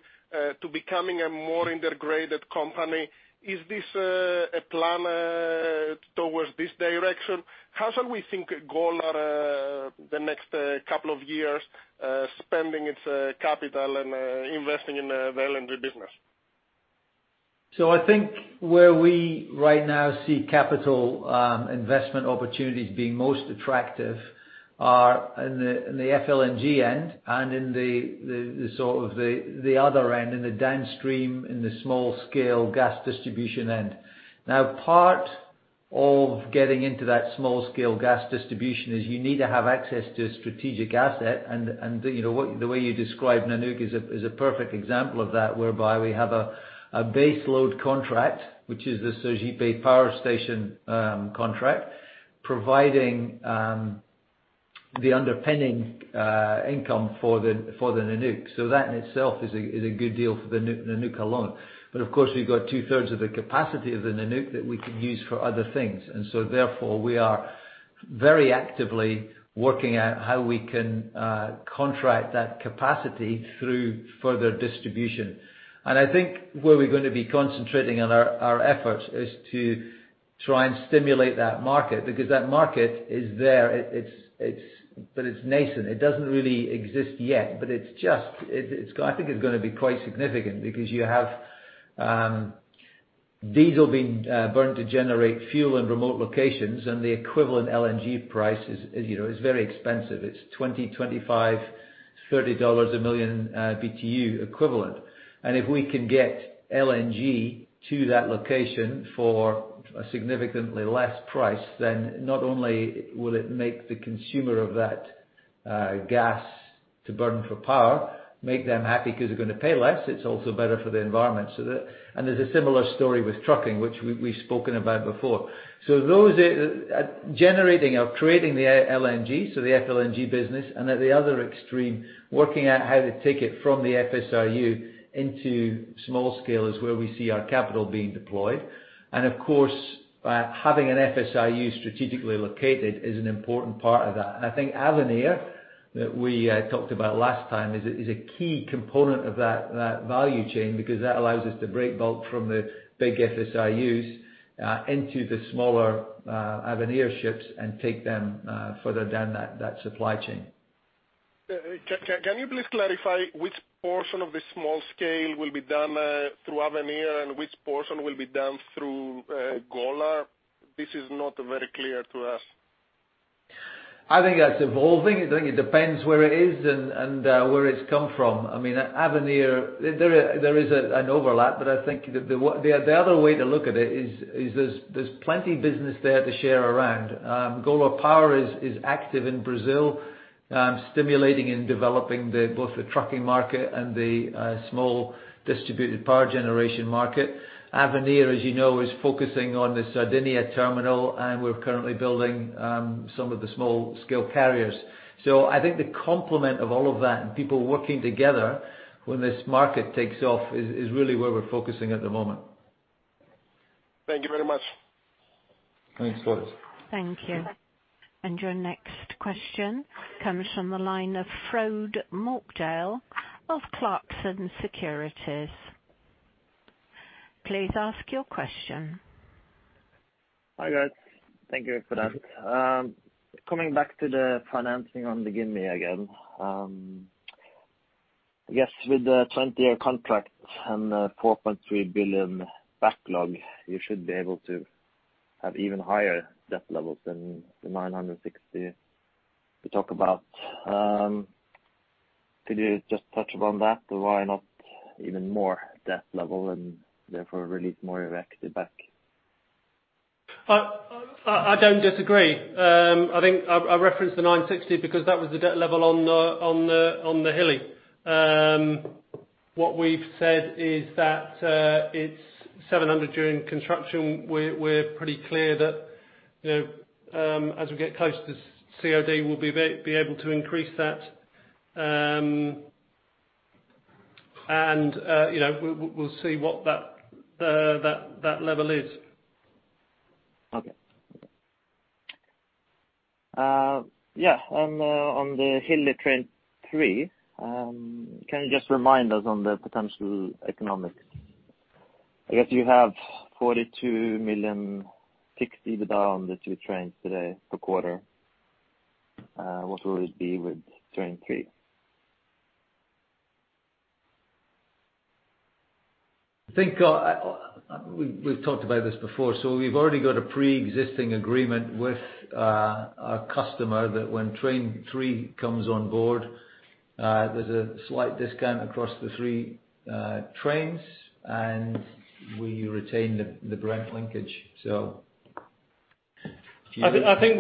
Speaker 8: to becoming a more integrated company. Is this a plan towards this direction? How shall we think Golar, the next couple of years, spending its capital and investing in the LNG business?
Speaker 2: I think where we right now see capital investment opportunities being most attractive are in the FLNG end and in the sort of the other end, in the downstream, in the small scale gas distribution end. Now, part of getting into that small scale gas distribution is you need to have access to a strategic asset. The way you described Nanook is a perfect example of that, whereby we have a base load contract, which is the Sergipe Power Station contract, providing the underpinning income for the Nanook. That in itself is a good deal for the Nanook alone. Of course, we've got two-thirds of the capacity of the Nanook that we could use for other things. Therefore, we are very actively working out how we can contract that capacity through further distribution. I think where we're going to be concentrating on our efforts is to try and stimulate that market, because that market is there. It's nascent. It doesn't really exist yet, but I think it's going to be quite significant because you have diesel being burnt to generate fuel in remote locations, and the equivalent LNG price is very expensive. It's $20, $25, $30 a million BTU equivalent. If we can get LNG to that location for a significantly less price, then not only will it make the consumer of that gas to burn for power, make them happy because they're going to pay less, it's also better for the environment. There's a similar story with trucking, which we've spoken about before. Those generating or creating the LNG, so the FLNG business, and at the other extreme, working out how to take it from the FSRU into small scale is where we see our capital being deployed. Of course, having an FSRU strategically located is an important part of that. I think Avenir we talked about last time is a key component of that value chain because that allows us to break bulk from the big FSRUs into the smaller Avenir ships and take them further down that supply chain.
Speaker 8: Can you please clarify which portion of the small scale will be done through Avenir and which portion will be done through Golar? This is not very clear to us.
Speaker 2: I think that's evolving. I think it depends where it is and where it's come from. There is an overlap, but I think the other way to look at it is there's plenty business there to share around. Golar Power is active in Brazil, stimulating in developing both the trucking market and the small distributed power generation market. Avenir, as you know, is focusing on the Sardinia terminal, and we're currently building some of the small-scale carriers. I think the complement of all of that and people working together when this market takes off is really where we're focusing at the moment.
Speaker 8: Thank you very much.
Speaker 2: Thanks, Tor.
Speaker 1: Thank you. Your next question comes from the line of Frode Mørkedal of Clarksons Securities. Please ask your question.
Speaker 9: Hi, guys. Thank you for that. Coming back to the financing on the Gimi again. I guess with the 20-year contract and $4.3 billion backlog, you should be able to have even higher debt levels than the $960 million you talk about. Could you just touch upon that? Why not even more debt level and therefore release more equity back?
Speaker 3: I don't disagree. I referenced the $960 million because that was the debt level on the Hilli. What we've said is that it's $700 million during construction. We're pretty clear that as we get close to COD, we'll be able to increase that. We'll see what that level is.
Speaker 9: Okay. Yeah, on the Hilli Train 3, can you just remind us on the potential economics? I guess you have $42 million fixed EBITDA on the two trains today per quarter. What will it be with Train 3?
Speaker 2: I think we've talked about this before. We've already got a preexisting agreement with our customer that when Train 3 comes on board, there's a slight discount across the three trains and we retain the Brent linkage. Do you-
Speaker 3: I think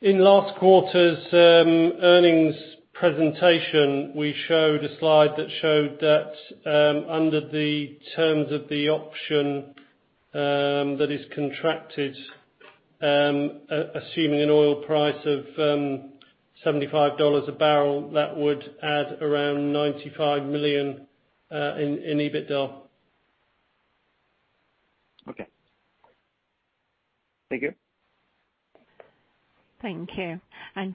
Speaker 3: in last quarter's earnings presentation, we showed a slide that showed that under the terms of the option that is contracted, assuming an oil price of $75 a barrel, that would add around $95 million in EBITDA.
Speaker 9: Okay. Thank you.
Speaker 1: Thank you.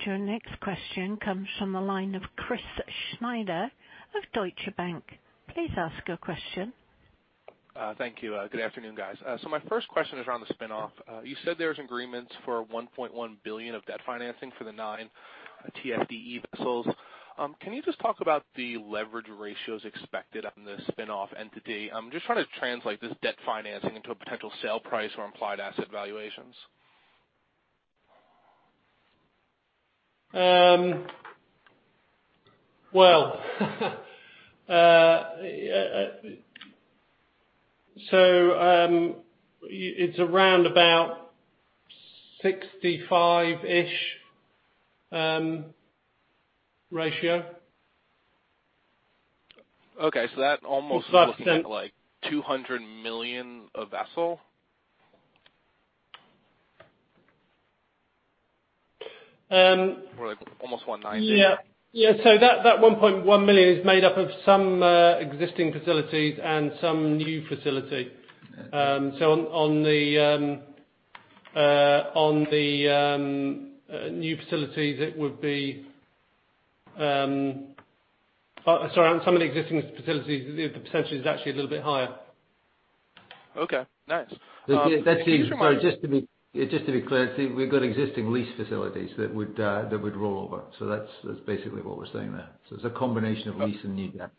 Speaker 1: Your next question comes from the line of Chris Snyder of Deutsche Bank. Please ask your question.
Speaker 10: Thank you. Good afternoon, guys. My first question is around the spin-off. You said there's agreements for $1.1 billion of debt financing for the nine TFDE vessels. Can you just talk about the leverage ratios expected on the spin-off entity? I'm just trying to translate this debt financing into a potential sale price or implied asset valuations.
Speaker 3: Well. It's around about 65-ish ratio.
Speaker 10: Okay. That almost looks like-
Speaker 3: $0.65.
Speaker 10: $200 million a vessel. Like almost $190 million.
Speaker 3: Yeah. That $1.1 billion is made up of some existing facilities and some new facility. Sorry, on some of the existing facilities, the potential is actually a little bit higher.
Speaker 10: Okay. Nice. Can you remind-
Speaker 2: Just to be clear, we've got existing lease facilities that would roll over. That's basically what we're saying there. It's a combination of lease and new debt.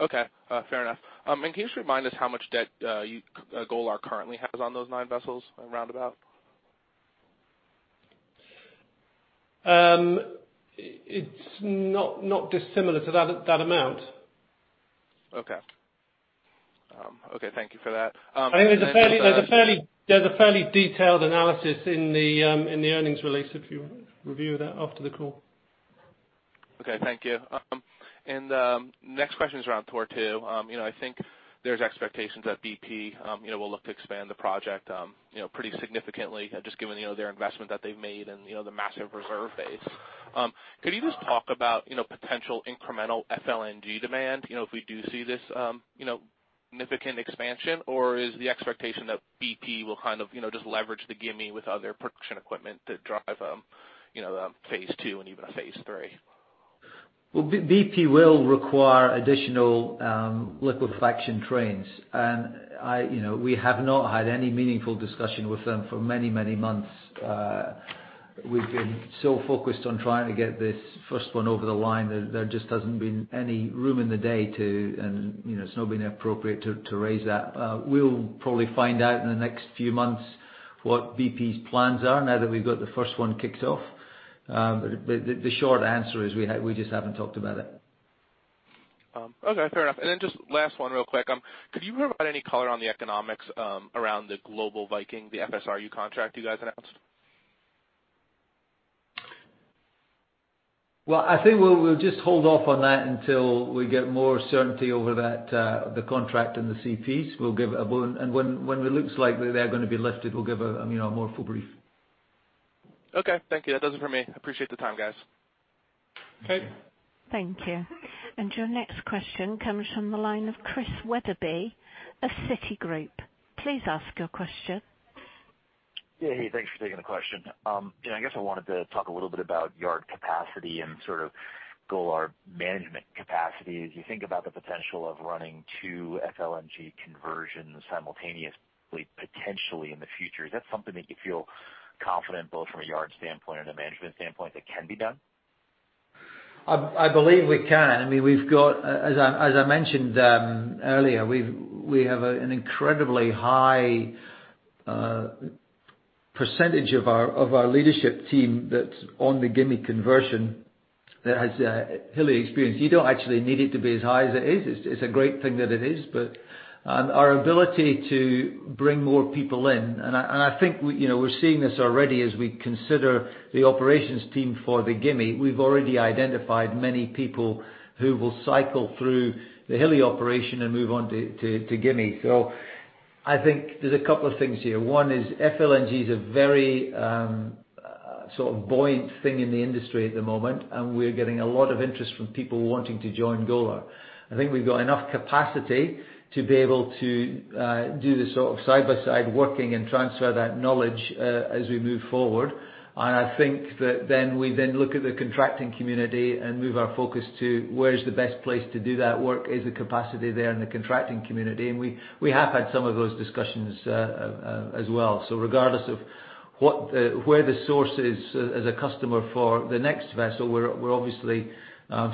Speaker 10: Okay. Fair enough. Can you just remind us how much debt Golar currently has on those nine vessels, around about?
Speaker 3: It's not dissimilar to that amount.
Speaker 10: Okay. Thank you for that.
Speaker 3: There's a fairly detailed analysis in the earnings release if you review that after the call.
Speaker 10: Okay, thank you. Next question is around Tortue. I think there's expectations that BP will look to expand the project pretty significantly, just given their investment that they've made and the massive reserve base. Could you just talk about potential incremental FLNG demand, if we do see this significant expansion, or is the expectation that BP will just leverage the Gimi with other production equipment to drive phase 2 and even a phase 3?
Speaker 2: Well, BP will require additional liquefaction trains. We have not had any meaningful discussion with them for many months. We've been so focused on trying to get this first one over the line that there just hasn't been any room in the day to, and it's not been appropriate to raise that. We'll probably find out in the next few months what BP's plans are now that we've got the first one kicked off. The short answer is we just haven't talked about it.
Speaker 10: Okay. Fair enough. Then just last one real quick. Could you provide any color on the economics around the Golar Viking, the FSRU contract you guys announced?
Speaker 2: Well, I think we'll just hold off on that until we get more certainty over the contract and the CPs. When it looks like they're going to be lifted, we'll give a more full brief.
Speaker 10: Okay. Thank you. That does it for me. Appreciate the time, guys.
Speaker 2: Okay.
Speaker 1: Thank you. Your next question comes from the line of Christian Wetherbee of Citigroup. Please ask your question.
Speaker 11: Yeah. Hey, thanks for taking the question. I guess I wanted to talk a little bit about yard capacity and sort of Golar management capacity. As you think about the potential of running two FLNG conversions simultaneously, potentially in the future, is that something that you feel confident both from a yard standpoint and a management standpoint that can be done?
Speaker 2: I believe we can. As I mentioned earlier, we have an incredibly high percentage of our leadership team that's on the Gimi conversion that has Hilli experience. You don't actually need it to be as high as it is. It's a great thing that it is. Our ability to bring more people in, I think we're seeing this already as we consider the operations team for the Gimi. We've already identified many people who will cycle through the Hilli operation and move on to Gimi. I think there's a couple of things here. One is FLNG is a very sort of buoyant thing in the industry at the moment. We're getting a lot of interest from people wanting to join Golar. I think we've got enough capacity to be able to do the sort of side-by-side working and transfer that knowledge, as we move forward. I think that we look at the contracting community and move our focus to where is the best place to do that work? Is the capacity there in the contracting community? We have had some of those discussions as well. Regardless of where the source is as a customer for the next vessel, we're obviously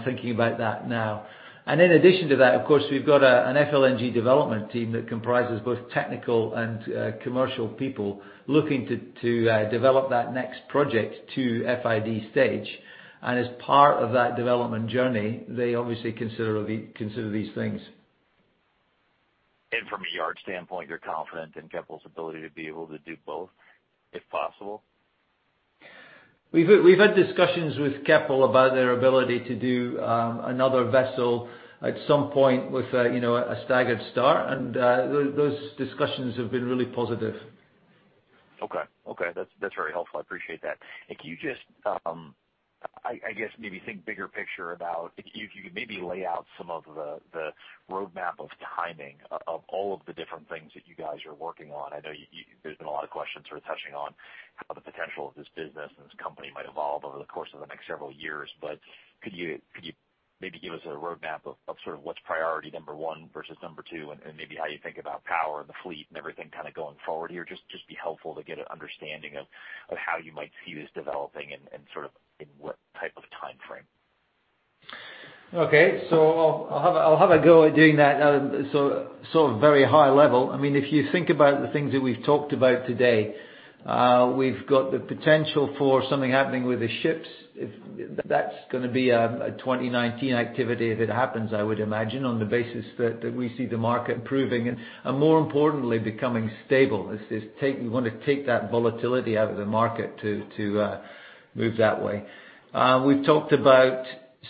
Speaker 2: thinking about that now. In addition to that, of course, we've got an FLNG development team that comprises both technical and commercial people looking to develop that next project to FID stage. As part of that development journey, they obviously consider these things.
Speaker 11: From a yard standpoint, you're confident in Keppel's ability to be able to do both, if possible?
Speaker 2: We've had discussions with Keppel about their ability to do another vessel at some point with a staggered start. Those discussions have been really positive.
Speaker 11: Okay. That's very helpful. I appreciate that. Can you just, I guess maybe think bigger picture about if you could maybe lay out some of the roadmap of timing of all of the different things that you guys are working on. I know there's been a lot of questions touching on how the potential of this business and this company might evolve over the course of the next several years, could you maybe give us a roadmap of sort of what's priority number 1 versus number 2 and maybe how you think about power and the fleet and everything kind of going forward here? Just be helpful to get an understanding of how you might see this developing and sort of in what type of timeframe.
Speaker 2: Okay. I'll have a go at doing that. Sort of very high level. If you think about the things that we've talked about today, we've got the potential for something happening with the ships. That's going to be a 2019 activity if it happens, I would imagine, on the basis that we see the market improving and more importantly, becoming stable. We want to take that volatility out of the market to move that way. We've talked about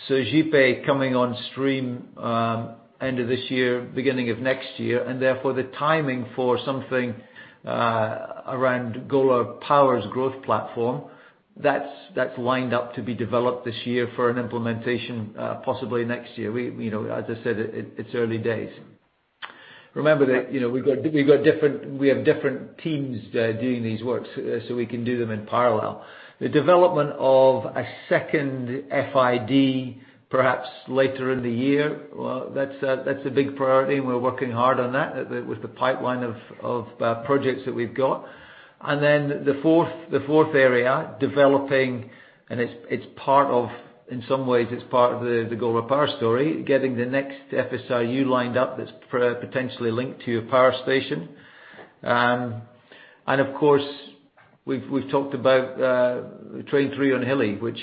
Speaker 2: Sergipe coming on stream end of this year, beginning of next year. Therefore, the timing for something around Golar Power's growth platform, that's lined up to be developed this year for an implementation possibly next year. As I said, it's early days. Remember that we have different teams doing these works, so we can do them in parallel. The development of a 2nd FID perhaps later in the year, that's a big priority, and we're working hard on that with the pipeline of projects that we've got. The 4th area, developing, and in some ways, it's part of the Golar Power story, getting the next FSRU lined up that's potentially linked to a power station. Of course, we've talked about Train 3 on Hilli, which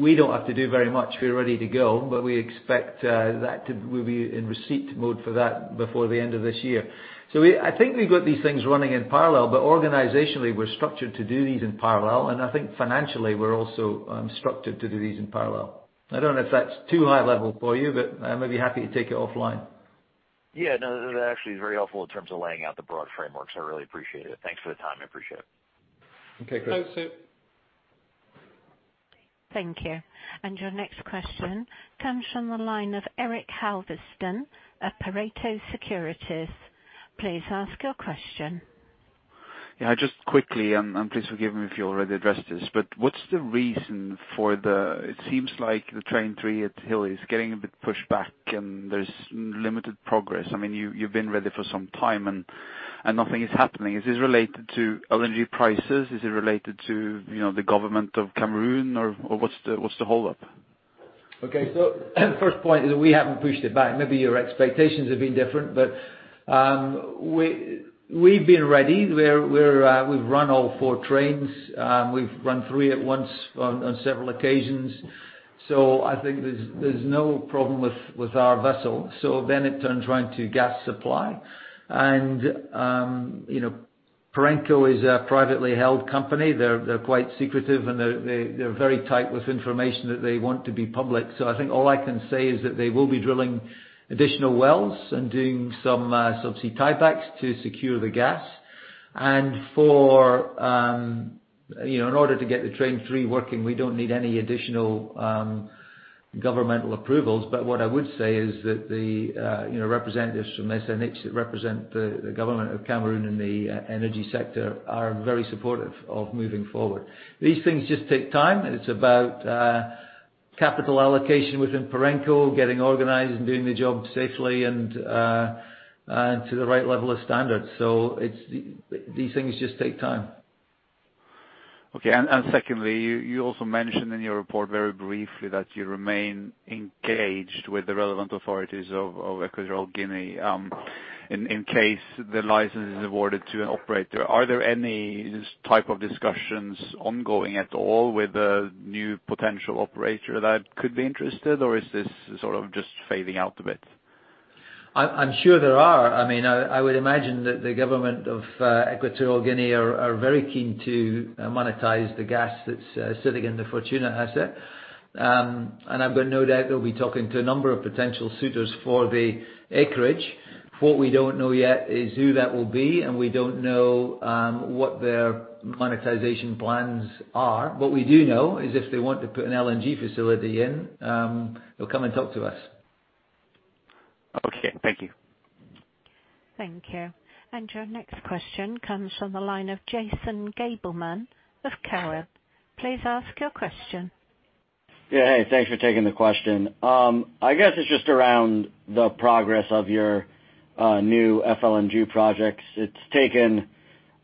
Speaker 2: we don't have to do very much. We're ready to go. We expect that we'll be in receipt mode for that before the end of this year. I think we've got these things running in parallel. Organizationally, we're structured to do these in parallel. I think financially, we're also structured to do these in parallel. I don't know if that's too high level for you, I'm happy to take it offline.
Speaker 11: Yeah, no. That actually is very helpful in terms of laying out the broad framework. I really appreciate it. Thanks for the time. I appreciate it.
Speaker 2: Okay. Great.
Speaker 1: Okay. Thank you. Your next question comes from the line of Eirik Haavaldsen at Pareto Securities. Please ask your question.
Speaker 12: Yeah. Just quickly, please forgive me if you already addressed this, what's the reason for the It seems like the train 3 at Hilli is getting a bit pushed back, there's limited progress. You've been ready for some time, nothing is happening. Is this related to LNG prices? Is it related to the government of Cameroon or what's the hold up?
Speaker 2: Okay. First point is that we haven't pushed it back. Maybe your expectations have been different, we've been ready. We've run all 4 trains. We've run 3 at once on several occasions. I think there's no problem with our vessel. It turns round to gas supply. Perenco is a privately held company. They're quite secretive, they're very tight with information that they want to be public. I think all I can say is that they will be drilling additional wells and doing some subsea tiebacks to secure the gas. In order to get the train 3 working, we don't need any additional governmental approvals. What I would say is that the representatives from SNH, that represent the government of Cameroon and the energy sector, are very supportive of moving forward. These things just take time. It's about capital allocation within Perenco, getting organized and doing the job safely and to the right level of standards. These things just take time.
Speaker 12: Okay. Secondly, you also mentioned in your report very briefly that you remain engaged with the relevant authorities of Equatorial Guinea, in case the license is awarded to an operator. Are there any type of discussions ongoing at all with a new potential operator that could be interested, or is this sort of just fading out a bit?
Speaker 2: I'm sure there are. I would imagine that the government of Equatorial Guinea are very keen to monetize the gas that's sitting in the Fortuna asset. I've got no doubt they'll be talking to a number of potential suitors for the acreage. What we don't know yet is who that will be, and we don't know what their monetization plans are. What we do know is if they want to put an LNG facility in, they'll come and talk to us.
Speaker 12: Okay. Thank you.
Speaker 1: Thank you. Your next question comes from the line of Jason Gabelman of Cowen. Please ask your question.
Speaker 13: Yeah. Hey, thanks for taking the question. I guess it's just around the progress of your new FLNG projects. It's taken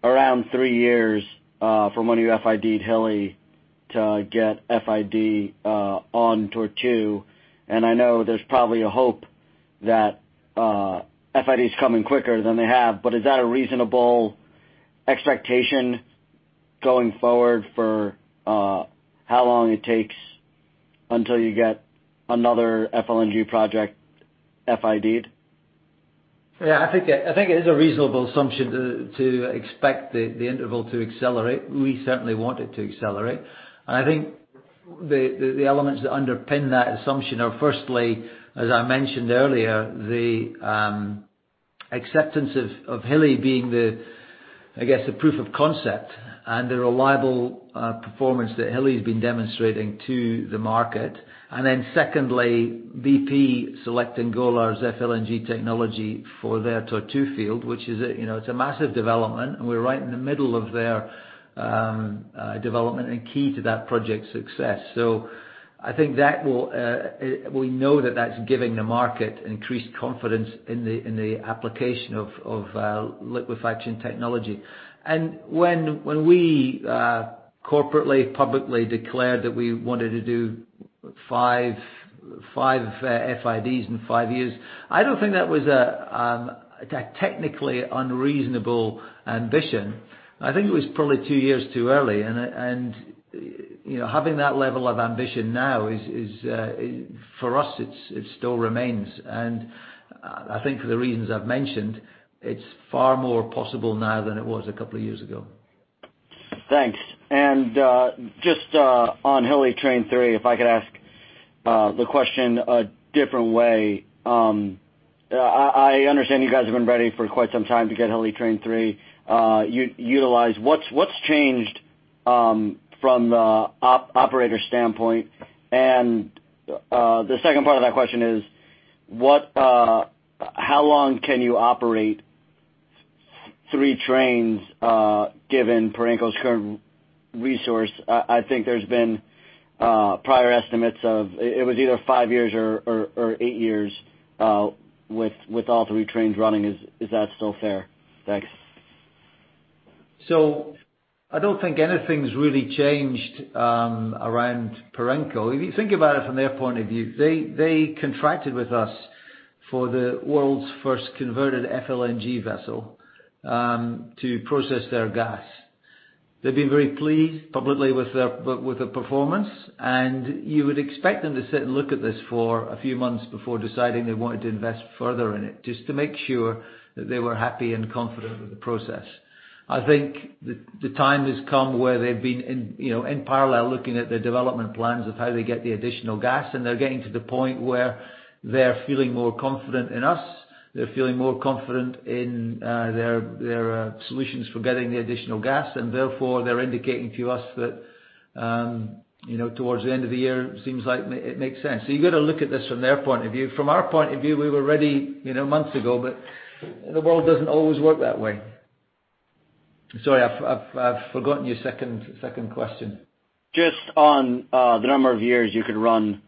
Speaker 13: around three years from when you FID Hilli to get FID on Tortue, and I know there's probably a hope that FID is coming quicker than they have, but is that a reasonable expectation going forward for how long it takes until you get another FLNG project FID'd?
Speaker 2: Yeah, I think it is a reasonable assumption to expect the interval to accelerate. We certainly want it to accelerate. I think the elements that underpin that assumption are, firstly, as I mentioned earlier, the acceptance of Hilli being the, I guess, the proof of concept and the reliable performance that Hilli has been demonstrating to the market. Then secondly, BP selecting Golar's FLNG technology for their Tortue field, which is a massive development, and we're right in the middle of their development and key to that project's success. I think we know that that's giving the market increased confidence in the application of liquefaction technology. When we corporately, publicly declared that we wanted to do five FIDs in five years, I don't think that was a technically unreasonable ambition. I think it was probably two years too early, and having that level of ambition now is, for us, it still remains. I think for the reasons I've mentioned, it's far more possible now than it was a couple of years ago.
Speaker 13: Thanks. Just on Hilli train three, if I could ask the question a different way. I understand you guys have been ready for quite some time to get Hilli train three utilized. What's changed from the operator standpoint? The second part of that question is, how long can you operate three trains given Perenco's current resource? I think there's been prior estimates of it was either five years or eight years with all three trains running. Is that still fair? Thanks.
Speaker 2: I don't think anything's really changed around Perenco. If you think about it from their point of view, they contracted with us for the world's first converted FLNG vessel to process their gas. They've been very pleased publicly with the performance, and you would expect them to sit and look at this for a few months before deciding they wanted to invest further in it, just to make sure that they were happy and confident with the process. I think the time has come where they've been in parallel, looking at their development plans of how they get the additional gas, and they're getting to the point where they're feeling more confident in us. They're feeling more confident in their solutions for getting the additional gas, and therefore, they're indicating to us that towards the end of the year, seems like it makes sense. You've got to look at this from their point of view. From our point of view, we were ready months ago, but the world doesn't always work that way. Sorry, I've forgotten your second question.
Speaker 13: Just on the number of years you could run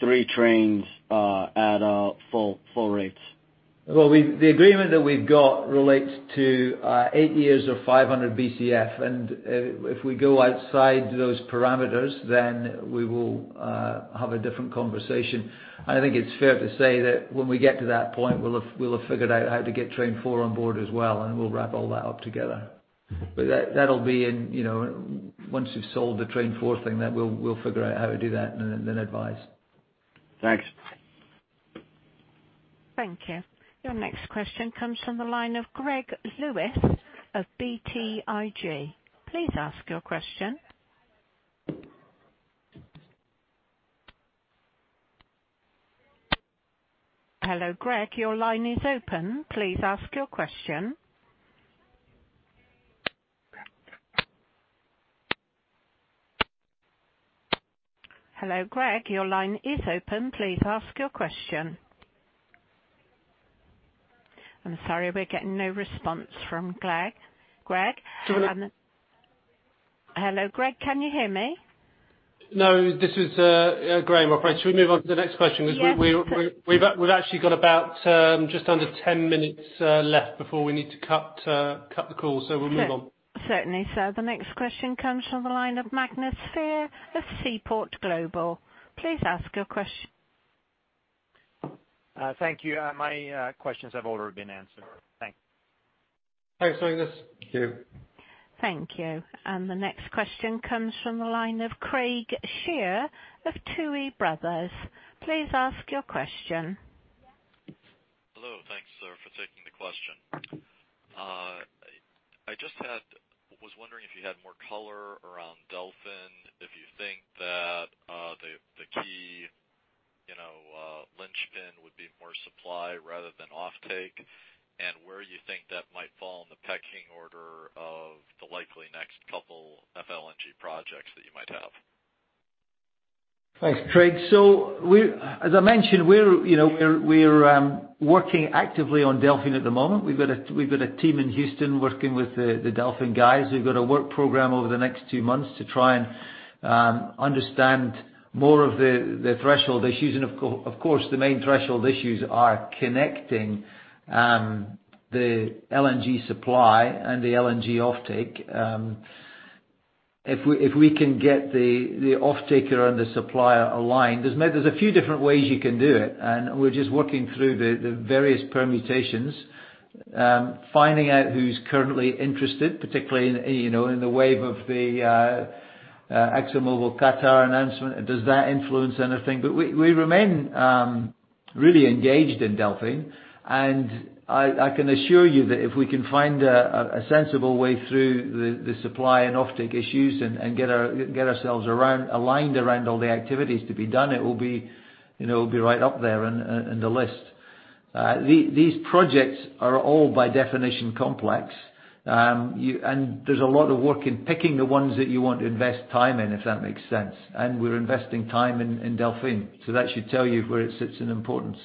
Speaker 13: three trains at full rates.
Speaker 2: Well, the agreement that we've got relates to eight years of 500 BCF, if we go outside those parameters, then we will have a different conversation. I think it's fair to say that when we get to that point, we'll have figured out how to get train four on board as well, we'll wrap all that up together. That'll be in, once we've sold the train four thing, we'll figure out how to do that and then advise.
Speaker 13: Thanks.
Speaker 1: Thank you. Your next question comes from the line of Gregory Lewis of BTIG. Please ask your question. Hello, Greg, your line is open. Please ask your question. Hello, Greg, your line is open. Please ask your question. I'm sorry, we're getting no response from Greg. Greg
Speaker 3: Should we
Speaker 1: Hello, Greg, can you hear me?
Speaker 3: No, this is Graham. Should we move on to the next question?
Speaker 1: Yes.
Speaker 3: We've actually got about just under 10 minutes left before we need to cut the call, so we'll move on.
Speaker 1: Certainly, sir. The next question comes from the line of Magnus Fyhr of Seaport Global. Please ask your question.
Speaker 14: Thank you. My questions have already been answered. Thanks.
Speaker 2: Thanks, Magnus.
Speaker 1: Thank you. Thank you. The next question comes from the line of Craig Shere of Tuohy Brothers. Please ask your question.
Speaker 15: Hello. Thanks, sir, for taking the question. I just was wondering if you had more color around Delfin, if you think that the key linchpin would be more supply rather than offtake, and where you think that might fall in the pecking order of the likely next couple FLNG projects that you might have.
Speaker 2: Thanks, Craig. As I mentioned, we're working actively on Delfin at the moment. We've got a team in Houston working with the Delfin guys who've got a work program over the next two months to try and understand more of the threshold issues. Of course, the main threshold issues are connecting the LNG supply and the LNG offtake. If we can get the offtaker and the supplier aligned, there's a few different ways you can do it, and we're just working through the various permutations, finding out who's currently interested, particularly in the wave of the ExxonMobil Qatar announcement. Does that influence anything? We remain really engaged in Delfin. I can assure you that if we can find a sensible way through the supply and offtake issues and get ourselves aligned around all the activities to be done, it will be right up there in the list. These projects are all by definition, complex. There's a lot of work in picking the ones that you want to invest time in, if that makes sense. We're investing time in Delfin. That should tell you where it sits in importance.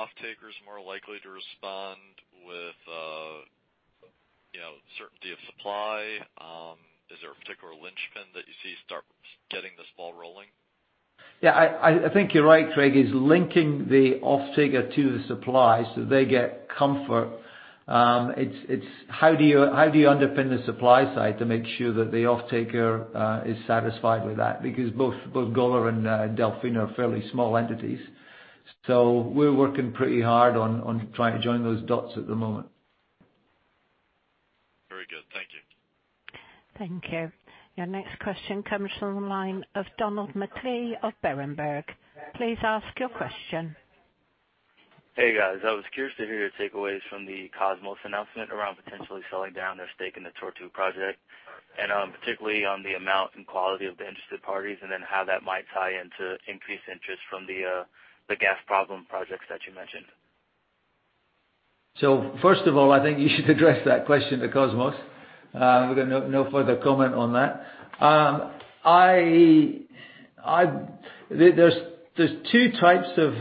Speaker 15: Do you see the offtakers more likely to respond with certainty of supply? Is there a particular linchpin that you see start getting this ball rolling?
Speaker 2: I think you're right, Craig. Is linking the offtaker to the supply so they get comfort. It's how do you underpin the supply side to make sure that the offtaker is satisfied with that? Because both Golar and Delfin are fairly small entities. We're working pretty hard on trying to join those dots at the moment.
Speaker 15: Very good. Thank you.
Speaker 1: Thank you. Your next question comes from the line of Donald McLee of Berenberg. Please ask your question.
Speaker 16: Hey, guys. I was curious to hear your takeaways from the Kosmos announcement around potentially selling down their stake in the Tortue project, and particularly on the amount and quality of the interested parties, and then how that might tie into increased interest from the gas problem projects that you mentioned.
Speaker 2: First of all, I think you should address that question to Kosmos. We've got no further comment on that. There are 2 types of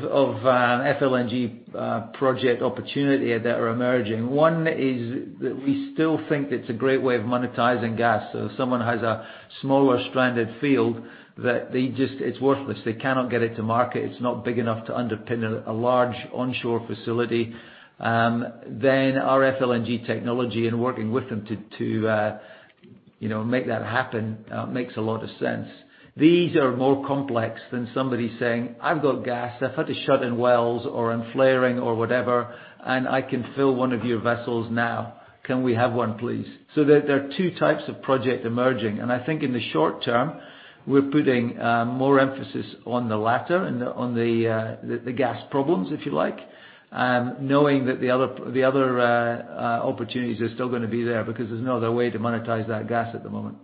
Speaker 2: FLNG project opportunity that are emerging. One is that we still think it's a great way of monetizing gas. If someone has a smaller stranded field that it's worthless, they cannot get it to market. It's not big enough to underpin a large onshore facility. Our FLNG technology and working with them to make that happen makes a lot of sense. These are more complex than somebody saying, "I've got gas. I've had to shut in wells or I'm flaring or whatever, and I can fill one of your vessels now. Can we have one, please?" There are 2 types of project emerging. I think in the short term, we're putting more emphasis on the latter, on the gas problems, if you like, knowing that the other opportunities are still going to be there because there's no other way to monetize that gas at the moment.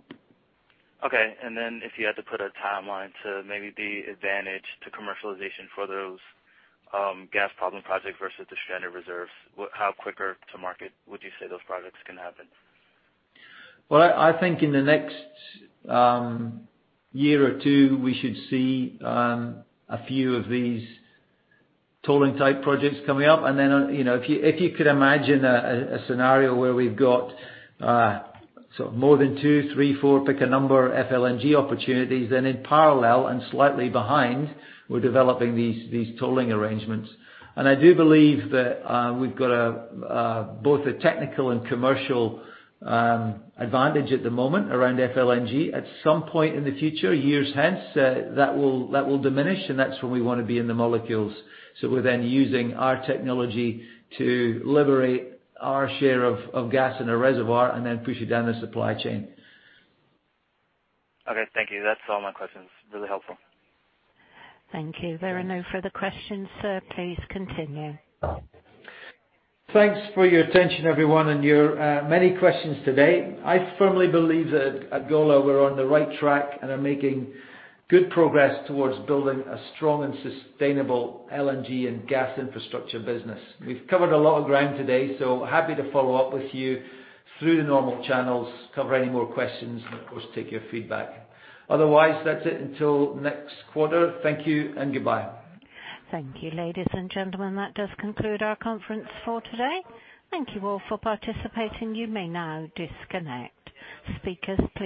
Speaker 16: Okay. If you had to put a timeline to maybe the advantage to commercialization for those gas problem projects versus the stranded reserves, how quicker to market would you say those projects can happen?
Speaker 2: I think in the next year or two, we should see a few of these tolling type projects coming up. If you could imagine a scenario where we've got more than two, three, four, pick a number, FLNG opportunities, then in parallel and slightly behind, we're developing these tolling arrangements. I do believe that we've got both a technical and commercial advantage at the moment around FLNG. At some point in the future, years hence, that will diminish, and that's when we want to be in the molecules. We're then using our technology to liberate our share of gas in a reservoir and then push it down the supply chain.
Speaker 16: Okay, thank you. That's all my questions. Really helpful.
Speaker 1: Thank you. There are no further questions, sir. Please continue.
Speaker 2: Thanks for your attention, everyone, and your many questions today. I firmly believe that at Golar we're on the right track and are making good progress towards building a strong and sustainable LNG and gas infrastructure business. We've covered a lot of ground today, so happy to follow up with you through the normal channels, cover any more questions, and of course, take your feedback. Otherwise, that's it until next quarter. Thank you and goodbye.
Speaker 1: Thank you, ladies and gentlemen. That does conclude our conference for today. Thank you all for participating. You may now disconnect. Speakers, please